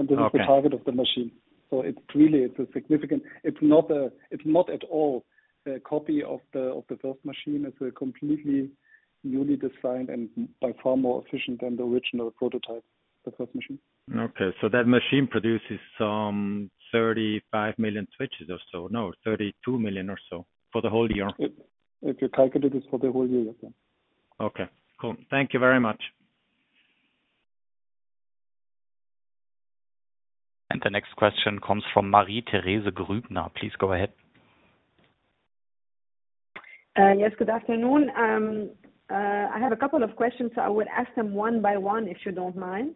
Okay. This is the target of the machine, so it's really significant. It's not at all a copy of the first machine. It's a completely newly designed and by far more efficient than the original prototype, the first machine. Okay. That machine produces some 35 million switches or so. No, 32 million or so for the whole year. It targeted this for the whole year, yes. Okay. Cool. Thank you very much. The next question comes from Marie-Thérèse Grübner. Please go ahead. Yes. Good afternoon. I have a couple of questions, so I will ask them one by one, if you don't mind.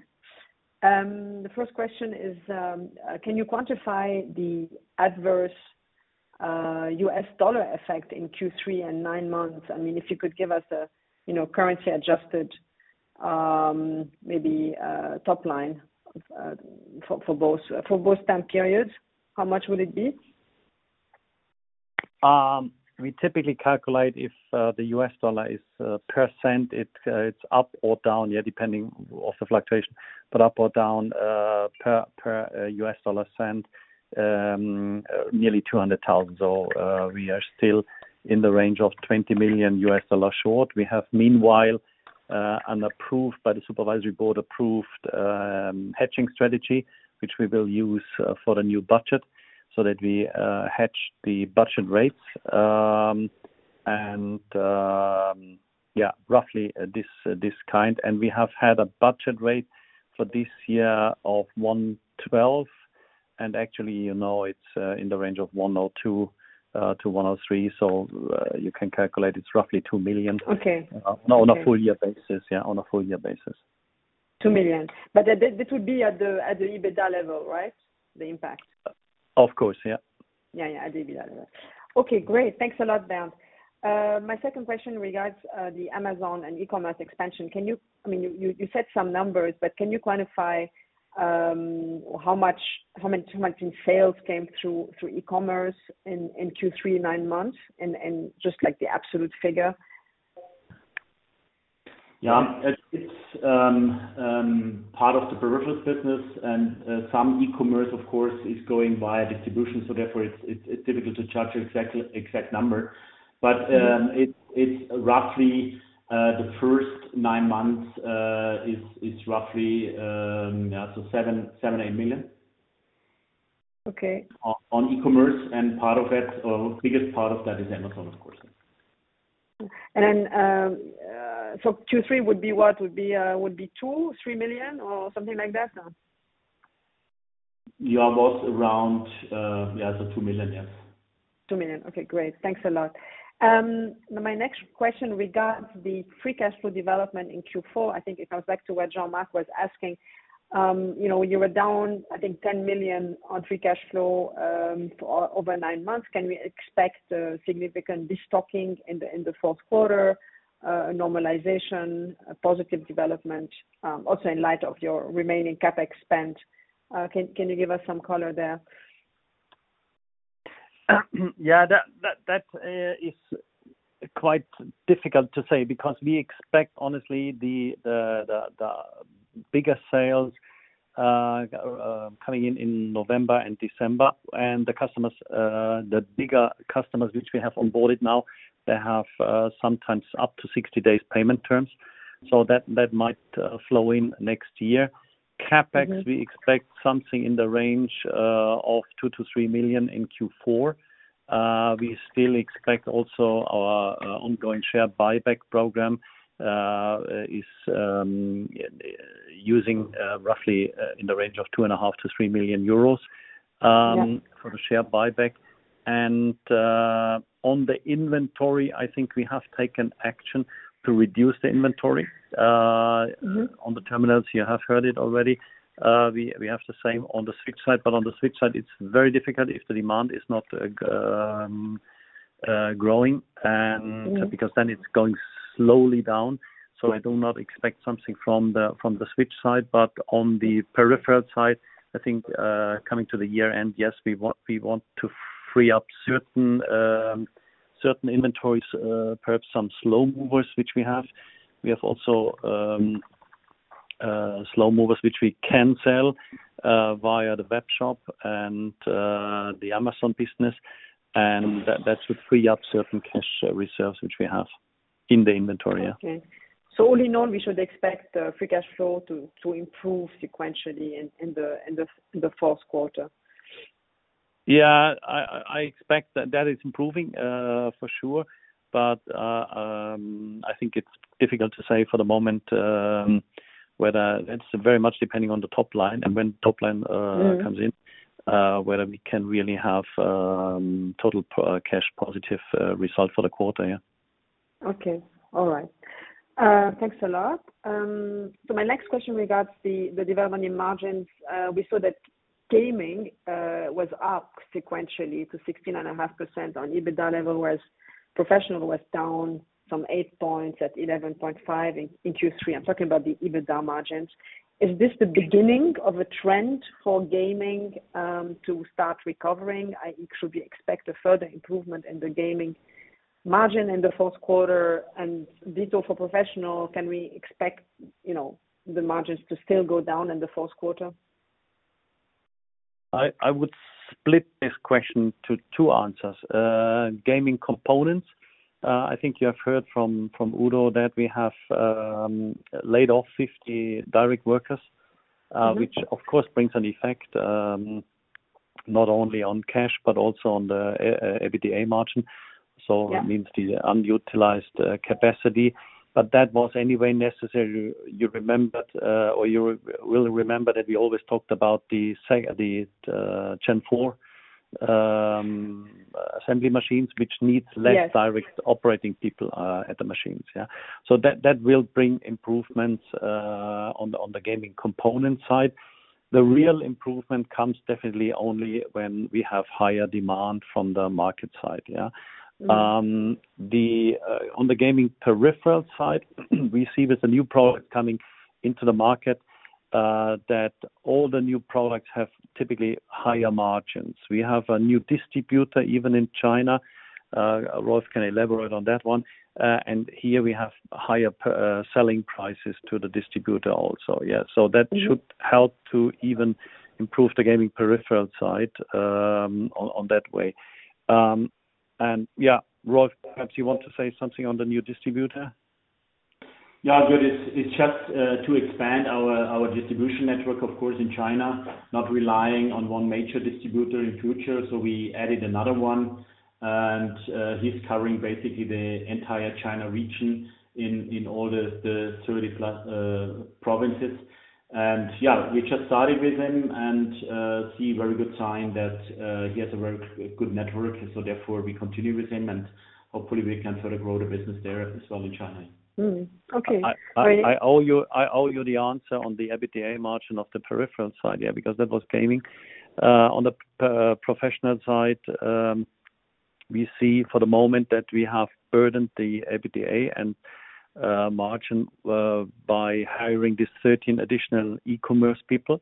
The first question is, can you quantify the adverse U.S. dollar effect in Q3 and nine months? I mean, if you could give us a, you know, currency adjusted, maybe, top line, for both time periods, how much would it be? We typically calculate if the U.S. dollar is one percent, it's up or down, yeah, depending on the fluctuation, but up or down per U.S. dollar cent nearly 200,000. We are still in the range of $20 million short. We have meanwhile an approved by the Supervisory Board hedging strategy, which we will use for the new budget so that we hedge the budget rates. Roughly this kind. We have had a budget rate for this year of 1.12, and actually, you know, it's in the range of 1.02 to 1.03. You can calculate it's roughly 2 million. Okay. On a full year basis. 2 million. This would be at the EBITDA level, right? The impact. Of course. Yeah. Yeah. Yeah. At EBITDA level. Okay, great. Thanks a lot, Bernd. My second question regards the Amazon and e-commerce expansion. I mean, you said some numbers, but can you quantify how much in sales came through e-commerce in Q3 nine months and just like the absolute figure? It's part of the peripherals business and some e-commerce of course is going via distribution, so therefore it's difficult to judge exact number. It's roughly the first nine months is roughly 7- 8 million. Okay On e-commerce, and part of it, biggest part of that is Amazon, of course. Q3 would be what? Would be 2-3 million or something like that, no? Yeah, almost around, yeah, so 2 million, yes. 2 million. Okay, great. Thanks a lot. My next question regards the free cash flow development in Q4. I think it comes back to what Jean-Marc was asking. You know, you were down, I think 10 million on free cash flow, for over nine months. Can we expect a significant destocking in the fourth quarter, a normalization, a positive development, also in light of your remaining CapEx spend? Can you give us some color there? Yeah. That is quite difficult to say because we expect, honestly, the biggest sales coming in November and December. The bigger customers which we have onboarded now, they have sometimes up to 60 days payment terms. That might flow in next year. CapEx Mm-hmm. We expect something in the range of 2-3 million in Q4. We still expect also our ongoing share buyback program is using roughly in the range of 2.5-3 million euros. Yeah. For the share buyback. On the inventory, I think we have taken action to reduce the inventory on the terminals. You have heard it already. We have the same on the switch side, but on the switch side, it's very difficult if the demand is not growing and Mm-hmm. It's going slowly down. I do not expect something from the switch side. On the peripheral side, I think, coming to the year-end, yes, we want to free up certain inventories, perhaps some slow movers, which we have. We have also slow movers, which we can sell via the web shop and the Amazon business, and that should free up certain cash reserves which we have in the inventory. All in all, we should expect free cash flow to improve sequentially in the fourth quarter. Yeah. I expect that is improving, for sure. I think it's difficult to say for the moment, whether it's very much depending on the top line and when top line. Mm-hmm. comes in whether we can really have total cash positive result for the quarter, yeah. Okay. All right. Thanks a lot. My next question regards the development in margins. We saw that gaming was up sequentially to 16.5% on EBITDA level, whereas professional was down to 8% from 11.5% in Q3. I'm talking about the EBITDA margins. Is this the beginning of a trend for gaming to start recovering? Should we expect a further improvement in the gaming margin in the fourth quarter? And ditto for professional, can we expect, you know, the margins to still go down in the Q4? I would split this question to two answers. Gaming components, I think you have heard from Udo that we have laid off 50 direct workers. Mm-hmm. which of course brings an effect, not only on cash but also on the EBITDA margin. Yeah. It means the unutilized capacity, but that was anyway necessary. You remembered or you will remember that we always talked about the Gen4 assembly machines, which needs less- Yes. Direct operating people at the machines. That will bring improvements on the gaming component side. The real improvement comes definitely only when we have higher demand from the market side. Mm-hmm. On the gaming peripheral side, we see with the new product coming into the market that all the new products have typically higher margins. We have a new distributor even in China. Rolf can elaborate on that one. Here we have higher selling prices to the distributor also. Yeah. Mm-hmm. Should help to even improve the gaming peripheral side, in that way. Yeah, Rolf, perhaps you want to say something on the new distributor. Yeah, good. It's just to expand our distribution network, of course, in China, not relying on one major distributor in future. We added another one, and he's covering basically the entire China region in all the 30+ provinces. Yeah, we just started with him and see very good sign that he has a very good network. Therefore, we continue with him, and hopefully we can further grow the business there as well in China. Mm-hmm. Okay. I owe you the answer on the EBITDA margin of the peripheral side, yeah, because that was gaming. On the professional side, we see for the moment that we have burdened the EBITDA and margin by hiring these 13 additional e-commerce people-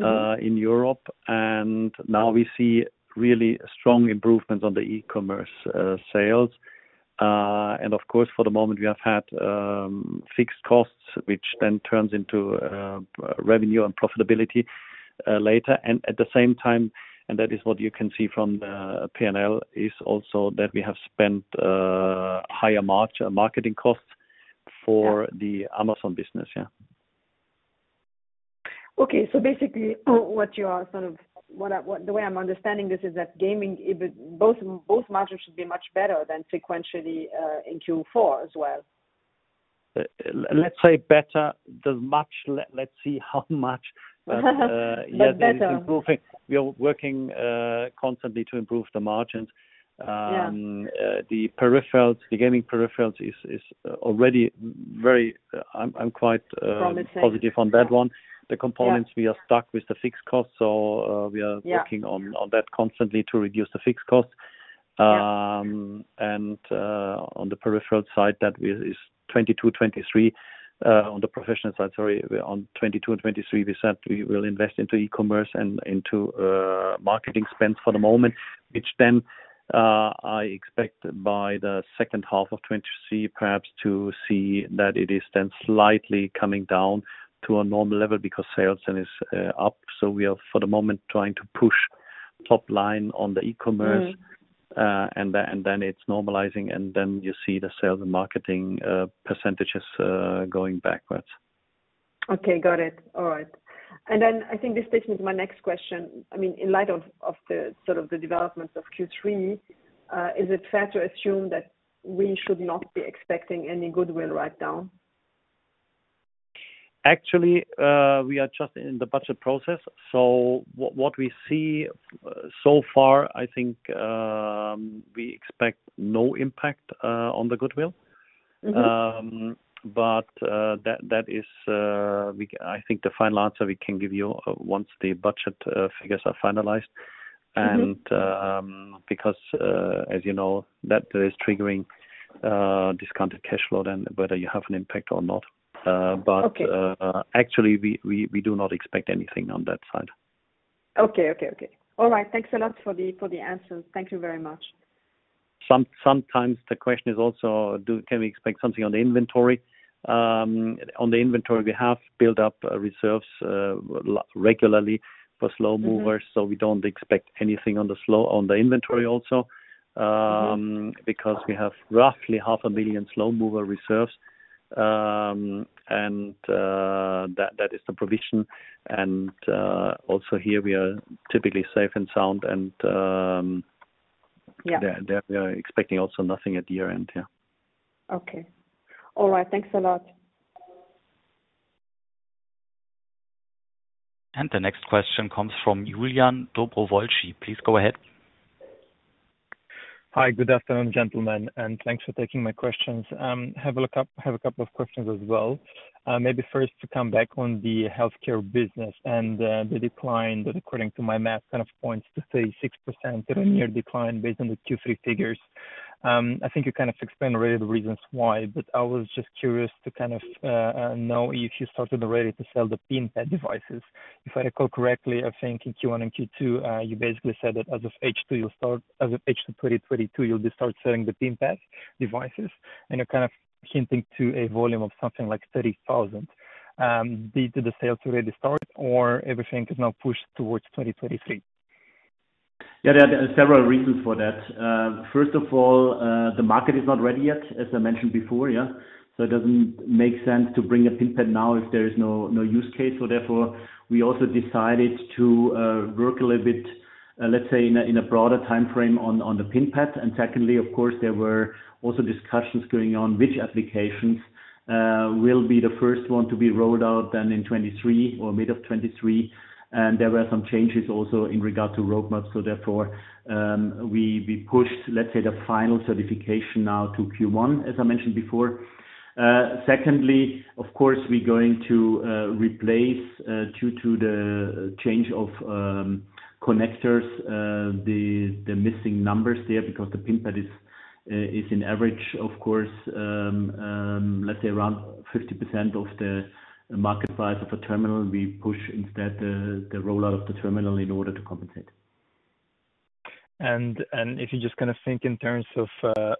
Mm-hmm. In Europe. Now we see really strong improvements on the e-commerce sales. Of course, for the moment, we have had fixed costs, which then turns into revenue and profitability later. At the same time, that is what you can see from the P&L is also that we have spent higher marketing costs for the Amazon business, yeah. Basically the way I'm understanding this is that gaming both margins should be much better sequentially in Q4 as well. Let's see how much. Better. There is improving. We are working constantly to improve the margins. Yeah. The peripherals, the gaming peripherals is already very. I'm quite. Promising Positive on that one. Yeah. The components, we are stuck with the fixed cost. Yeah Working on that constantly to reduce the fixed cost. Yeah. On the professional side, on 2022 and 2023, we said we will invest into e-commerce and into marketing spend for the moment, which then I expect by the second half of 2023 perhaps to see that it is then slightly coming down to a normal level because sales then is up. We are for the moment trying to push top line on the e-commerce. Mm. It's normalizing, and then you see the sales and marketing percentages going backwards. Okay. Got it. All right. I think this takes me to my next question. I mean, in light of the sort of developments of Q3, is it fair to assume that we should not be expecting any goodwill write down? Actually, we are just in the budget process. What we see so far, I think, we expect no impact on the goodwill. Mm-hmm. That is, I think the final answer we can give you once the budget figures are finalized. Mm-hmm. because, as you know, that is triggering discounted cash flow then whether you have an impact or not. Okay Actually, we do not expect anything on that side. Okay. All right. Thanks a lot for the answers. Thank you very much. Sometimes the question is also can we expect something on the inventory? On the inventory, we have built up reserves regularly for slow movers. Mm-hmm. We don't expect anything on the inventory also, because we have 0.5 million in slow moving reserves. That is the provision. Also here we are typically safe and sound. Yeah There we are expecting also nothing at the year-end. Yeah. Okay. All right. Thanks a lot. The next question comes from Julian Dobrovolschi. Please go ahead. Hi. Good afternoon, gentlemen, and thanks for taking my questions. Have a couple of questions as well. Maybe first to come back on the healthcare business and the decline that according to my math kind of points to say 60% year-on-year decline based on the Q3 figures. I think you kind of explained already the reasons why, but I was just curious to kind of know if you started already to sell the PIN-Pad devices. If I recall correctly, I think in Q1 and Q2 you basically said that as of H2 2022, you'll start selling the PIN-Pad devices, and you're kind of hinting to a volume of something like 30,000. Did the sales already start or everything is now pushed towards 2023? Yeah. There are several reasons for that. First of all, the market is not ready yet, as I mentioned before. Yeah. It doesn't make sense to bring a PIN-Pad now if there is no use case. Therefore, we also decided to work a little bit, let's say in a broader timeframe on the PIN-Pad. Secondly, of course, there were also discussions going on which applications will be the first one to be rolled out then in 2023 or mid of 2023. There were some changes also in regard to roadmap. Therefore, we pushed, let's say, the final certification now to Q1, as I mentioned before. Secondly, of course, we're going to replace, due to the change of connectors, the missing numbers there because the PIN-Pad is an average, of course, let's say around 50% of the market price of a Terminal. We push instead the rollout of the Terminal in order to compensate. If you just kinda think in terms of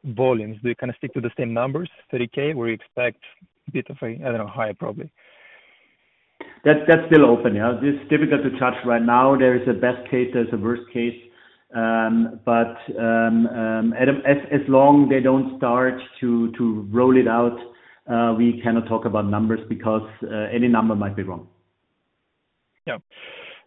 volumes, do you kinda stick to the same numbers, 30,000, or you expect a bit of a, I don't know, higher probably? That's still open. Yeah. This is difficult to judge right now. There is a best case, there's a worst case. Adam, as long they don't start to roll it out, we cannot talk about numbers because any number might be wrong. Yeah.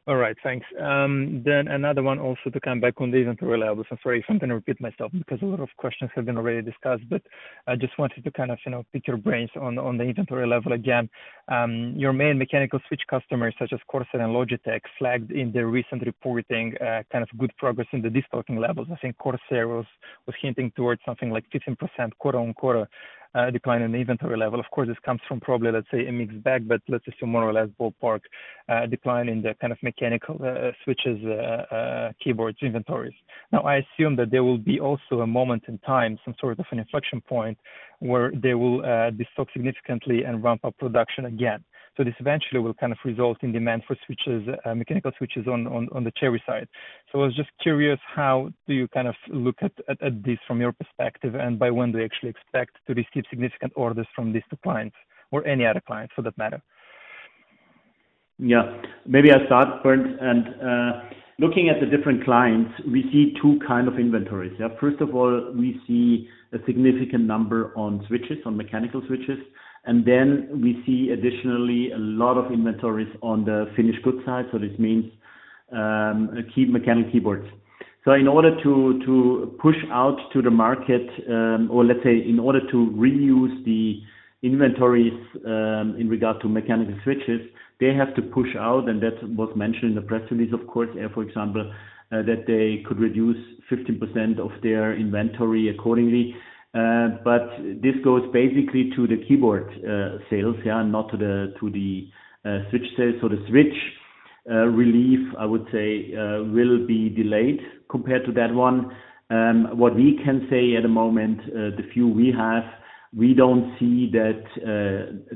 All right. Thanks. Another one also to come back on the inventory levels. I'm sorry if I'm gonna repeat myself because a lot of questions have been already discussed, but I just wanted to kind of, you know, pick your brains on the inventory level again. Your main mechanical switch customers such as Corsair and Logitech flagged in their recent reporting kind of good progress in the destocking levels. I think Corsair was hinting towards something like 15% quarter-over-quarter decline in the inventory level. Of course, this comes from probably, let's say, a mixed bag, but let's assume more or less ballpark decline in the kind of mechanical switches keyboards inventories. Now, I assume that there will be also a moment in time, some sort of an inflection point where they will destock significantly and ramp up production again. This eventually will kind of result in demand for switches, mechanical switches on the Cherry side. I was just curious, how do you kind of look at this from your perspective, and by when do you actually expect to receive significant orders from these two clients or any other clients for that matter? Yeah. Maybe I start first and looking at the different clients, we see two kinds of inventories, yeah. First of all, we see a significant number of switches, on mechanical switches, and then we see additionally a lot of inventories on the finished goods side. This means Cherry mechanical keyboards. In order to push out to the market, or let's say, in order to reuse the inventories, in regard to mechanical switches, they have to push out, and that was mentioned in the press release, of course. Yeah. For example, that they could reduce 15% of their inventory accordingly. This goes basically to the keyboard sales, yeah, not to the switch sales. The switch relief, I would say, will be delayed compared to that one. What we can say at the moment, the view we have, we don't see that,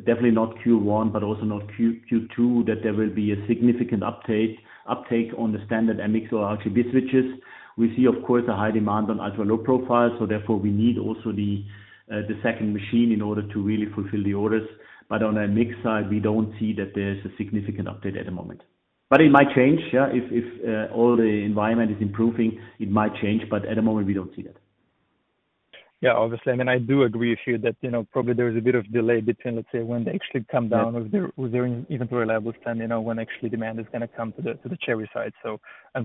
definitely not Q1, but also not Q2, that there will be a significant uptake on the standard MX or RGB switches. We see, of course, a high demand on ultra low profile, so therefore, we need also the second machine in order to really fulfill the orders. On a MX side, we don't see that there's a significant uptake at the moment. It might change, yeah. If all the environment is improving, it might change, but at the moment we don't see that. Yeah. Obviously, I mean, I do agree with you that, you know, probably there is a bit of delay between, let's say, when they actually come down. Yeah. With their inventory levels, you know, when actually demand is gonna come to the Cherry side.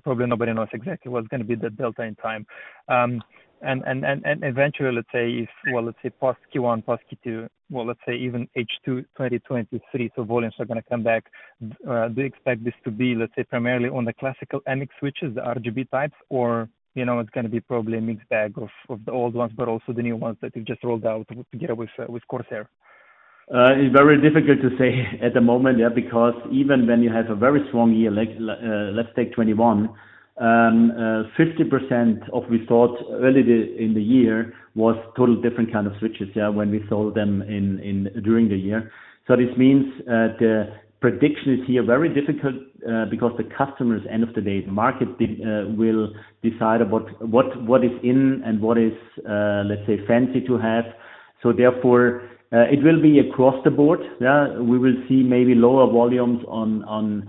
Probably nobody knows exactly what's gonna be the delta in time. Eventually, let's say if, well, let's say post Q1, post Q2, well, let's say even H2 2023, so volumes are gonna come back. Do you expect this to be, let's say, primarily on the classical MX switches, the RGB types, or, you know, it's gonna be probably a mixed bag of the old ones, but also the new ones that you've just rolled out together with Corsair? It's very difficult to say at the moment, yeah, because even when you have a very strong year like, let's take 2021, 50% of what we thought early in the year was total different kind of switches, yeah, when we sold them in during the year. This means the prediction is here very difficult, because the customers, end of the day, the market will decide about what is in and what is, let's say fancy to have. Therefore, it will be across the board. Yeah. We will see maybe lower volumes on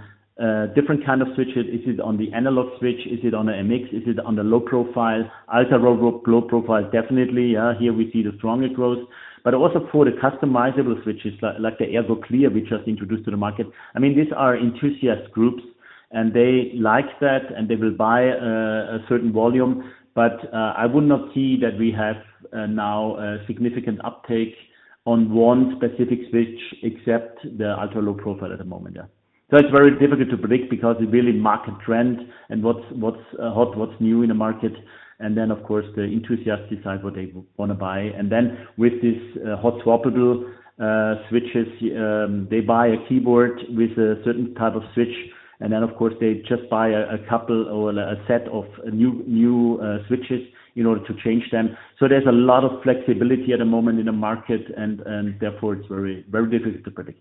different kind of switches. Is it on the analog switch? Is it on the MX? Is it on the low profile? Ultra Low Profile, definitely. Here we see the stronger growth. Also for the customizable switches, like the Ergo Clear we just introduced to the market. I mean, these are enthusiast groups, and they like that, and they will buy a certain volume. I would not see that we have now a significant uptake on one specific switch except the Ultra Low Profile at the moment, yeah. It's very difficult to predict because it's really market trend and what's hot, what's new in the market. Then, of course, the enthusiasts decide what they wanna buy. Then with these hot-swappable switches, they buy a keyboard with a certain type of switch, and then, of course, they just buy a couple or a set of new switches in order to change them. There's a lot of flexibility at the moment in the market and therefore it's very, very difficult to predict.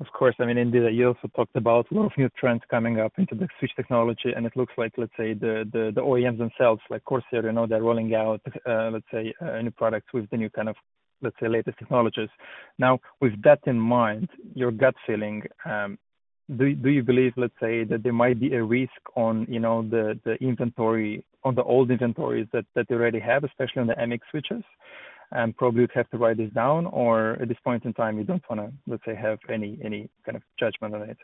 Of course. I mean, indeed you also talked about a lot of new trends coming up into the switch technology, and it looks like, let's say, the OEMs themselves, like Corsair, you know, they're rolling out, let's say, new products with the new kind of, let's say, latest technologies. Now, with that in mind, your gut feeling, do you believe, let's say, that there might be a risk on, you know, the inventory on the old inventories that they already have, especially on the MX switches, and probably you'd have to write this down, or at this point in time, you don't wanna, let's say, have any kind of judgment on it?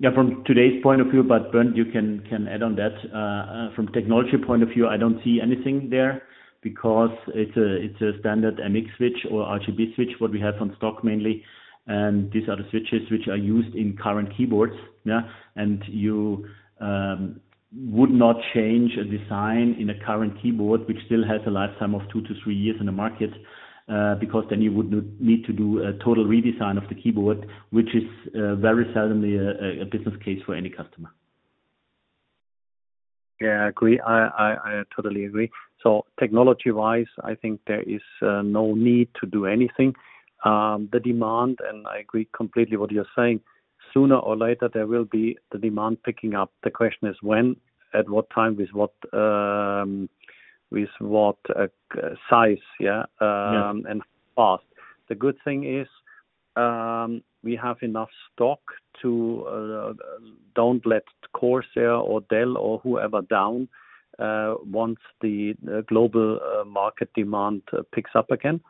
Yeah. From today's point of view, but Bernd, you can add on that. From technology point of view, I don't see anything there because it's a standard MX switch or RGB switch, what we have on stock mainly, and these are the switches which are used in current keyboards. Yeah. You would not change a design in a current keyboard, which still has a lifetime of two to three years in the market, because then you would need to do a total redesign of the keyboard, which is very seldomly a business case for any customer. Yeah, I agree. I totally agree. Technology-wise, I think there is no need to do anything. The demand, I agree completely what you're saying, sooner or later there will be the demand picking up. The question is when, at what time, with what size, yeah? Yeah. How fast. The good thing is, we have enough stock to don't let Corsair or Dell or whoever down, once the global market demand picks up again.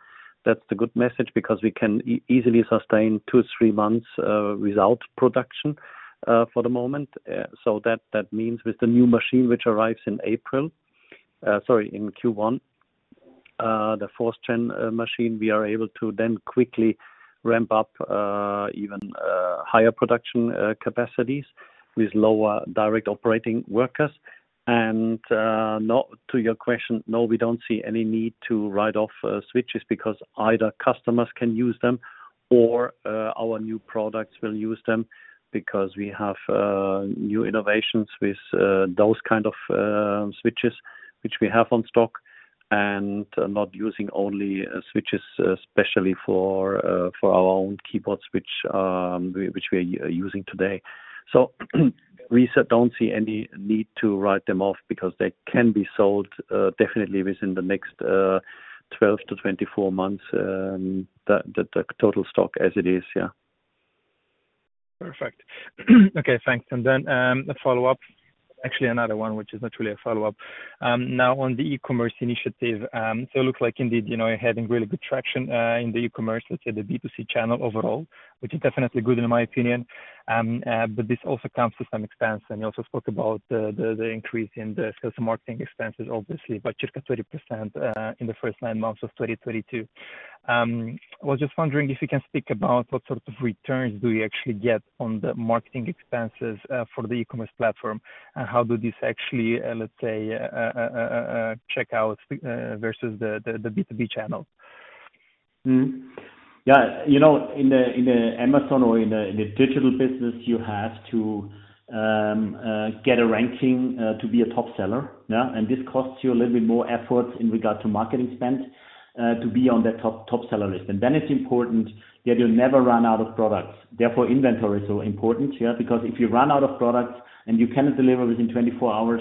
That's the good message because we can easily sustain two, three months without production, for the moment. That means with the new machine which arrives in April. Sorry, in Q1, the fourth gen machine, we are able to then quickly ramp up even higher production capacities with lower direct operating workers. No, we don't see any need to write off switches because either customers can use them or our new products will use them because we have new innovations with those kind of switches which we have on stock, and not using only switches, especially for our own keyboards, which we are using today. We don't see any need to write them off because they can be sold definitely within the next 12-24 months, the total stock as it is. Yeah. Perfect. Okay, thanks. Then, a follow-up, actually another one, which is not really a follow-up. Now on the e-commerce initiative, it looks like indeed, you know, you're having really good traction in the e-commerce, let's say, the B2C channel overall, which is definitely good in my opinion. This also comes with some expense. You also spoke about the increase in the sales and marketing expenses, obviously, by 30% in the first nine months of 2022. I was just wondering if you can speak about what sort of returns do you actually get on the marketing expenses for the e-commerce platform, and how does this actually, let's say, check out versus the B2B channel? You know, in the Amazon or in the digital business, you have to get a ranking to be a top seller. Yeah. This costs you a little bit more effort in regard to marketing spend to be on that top seller list. It's important that you never run out of products. Therefore, inventory is so important, yeah. Because if you run out of products and you cannot deliver within 24 hours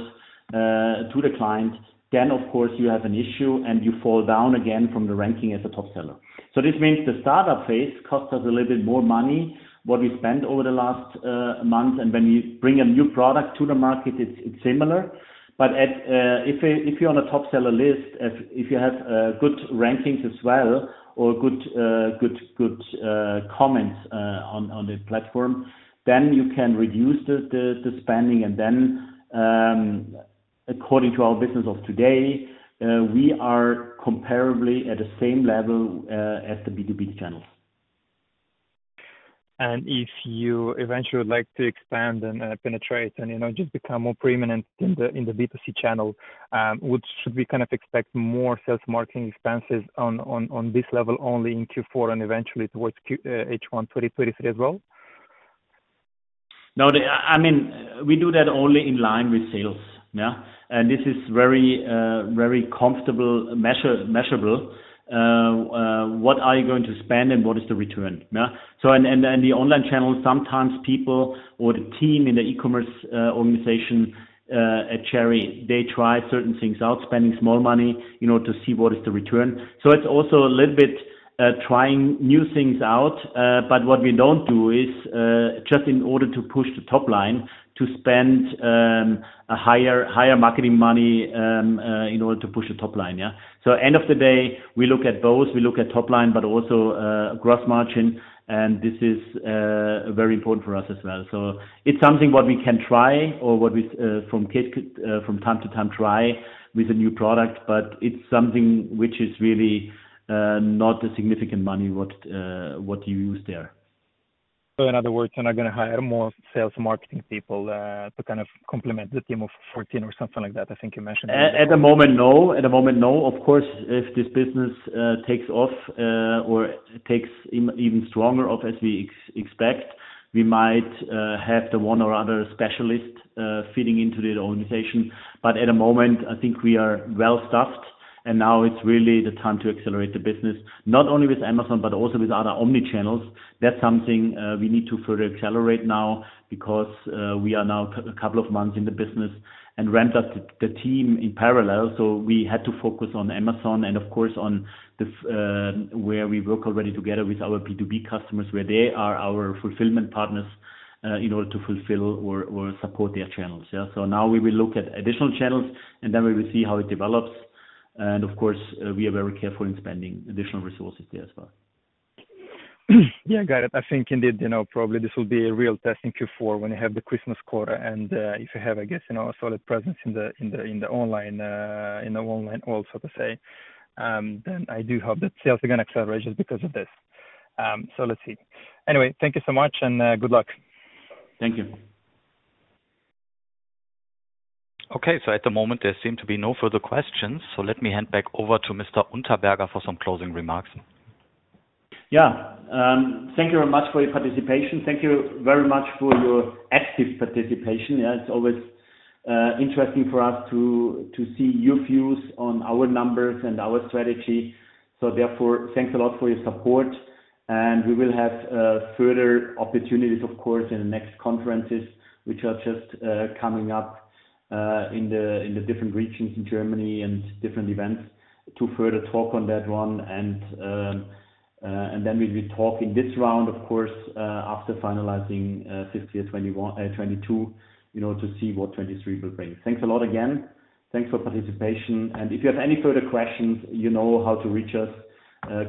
to the client, then of course you have an issue and you fall down again from the ranking as a top seller. This means the startup phase costs us a little bit more money than we spent over the last month. When you bring a new product to the market, it's similar. If you're on a top seller list, if you have good rankings as well or good comments on the platform, then you can reduce the spending. According to our business of today, we are comparably at the same level as the B2B channels. If you eventually would like to expand and penetrate and, you know, just become more preeminent in the B2C channel, should we kind of expect more sales marketing expenses on this level only in Q4 and eventually towards H1 2023 as well? No. I mean, we do that only in line with sales. Yeah. This is very comfortable measurable. What are you going to spend and what is the return? Yeah. The online channel, sometimes people or the team in the e-commerce organization at Cherry, they try certain things out, spending small money, you know, to see what is the return. It's also a little bit trying new things out. But what we don't do is just in order to push the top line to spend a higher marketing money in order to push the top line. Yeah. End of the day, we look at both. We look at top line, but also gross margin and this is very important for us as well. It's something what we can try or what we from time to time try with a new product, but it's something which is really not a significant money what you use there. In other words, you're not gonna hire more sales marketing people, to kind of complement the team of 14 or something like that. I think you mentioned that before. At the moment, no. Of course, if this business takes off, or takes even stronger off as we expect, we might have the one or other specialist feeding into the organization. At the moment, I think we are well staffed and now it's really the time to accelerate the business, not only with Amazon, but also with other omnichannel. That's something we need to further accelerate now because we are now a couple of months in the business and ramped up the team in parallel. We had to focus on Amazon and of course on this, where we work already together with our B2B customers, where they are our fulfillment partners in order to fulfill or support their channels. Yeah. Now we will look at additional channels and then we will see how it develops. Of course, we are very careful in spending additional resources there as well. Yeah. Got it. I think indeed, you know, probably this will be a real test in Q4 when you have the Christmas quarter and if you have, I guess, you know, a solid presence in the online world, so to say, then I do hope that sales are gonna accelerate just because of this. Let's see. Anyway, thank you so much and good luck. Thank you. Okay. At the moment there seem to be no further questions, so let me hand back over to Mr. Unterberger for some closing remarks. Yeah. Thank you very much for your participation. Thank you very much for your active participation. Yeah. It's always interesting for us to see your views on our numbers and our strategy. Therefore, thanks a lot for your support and we will have further opportunities of course in the next conferences which are just coming up in the different regions in Germany and different events to further talk on that one. Then we'll be talking this round of course after finalizing 2021 or 2022, you know, to see what 2023 will bring. Thanks a lot again. Thanks for participation. If you have any further questions, you know how to reach us.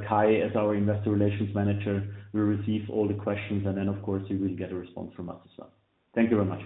Kai, as our Investor Relations Manager, will receive all the questions and then of course, you will get a response from us as well. Thank you very much.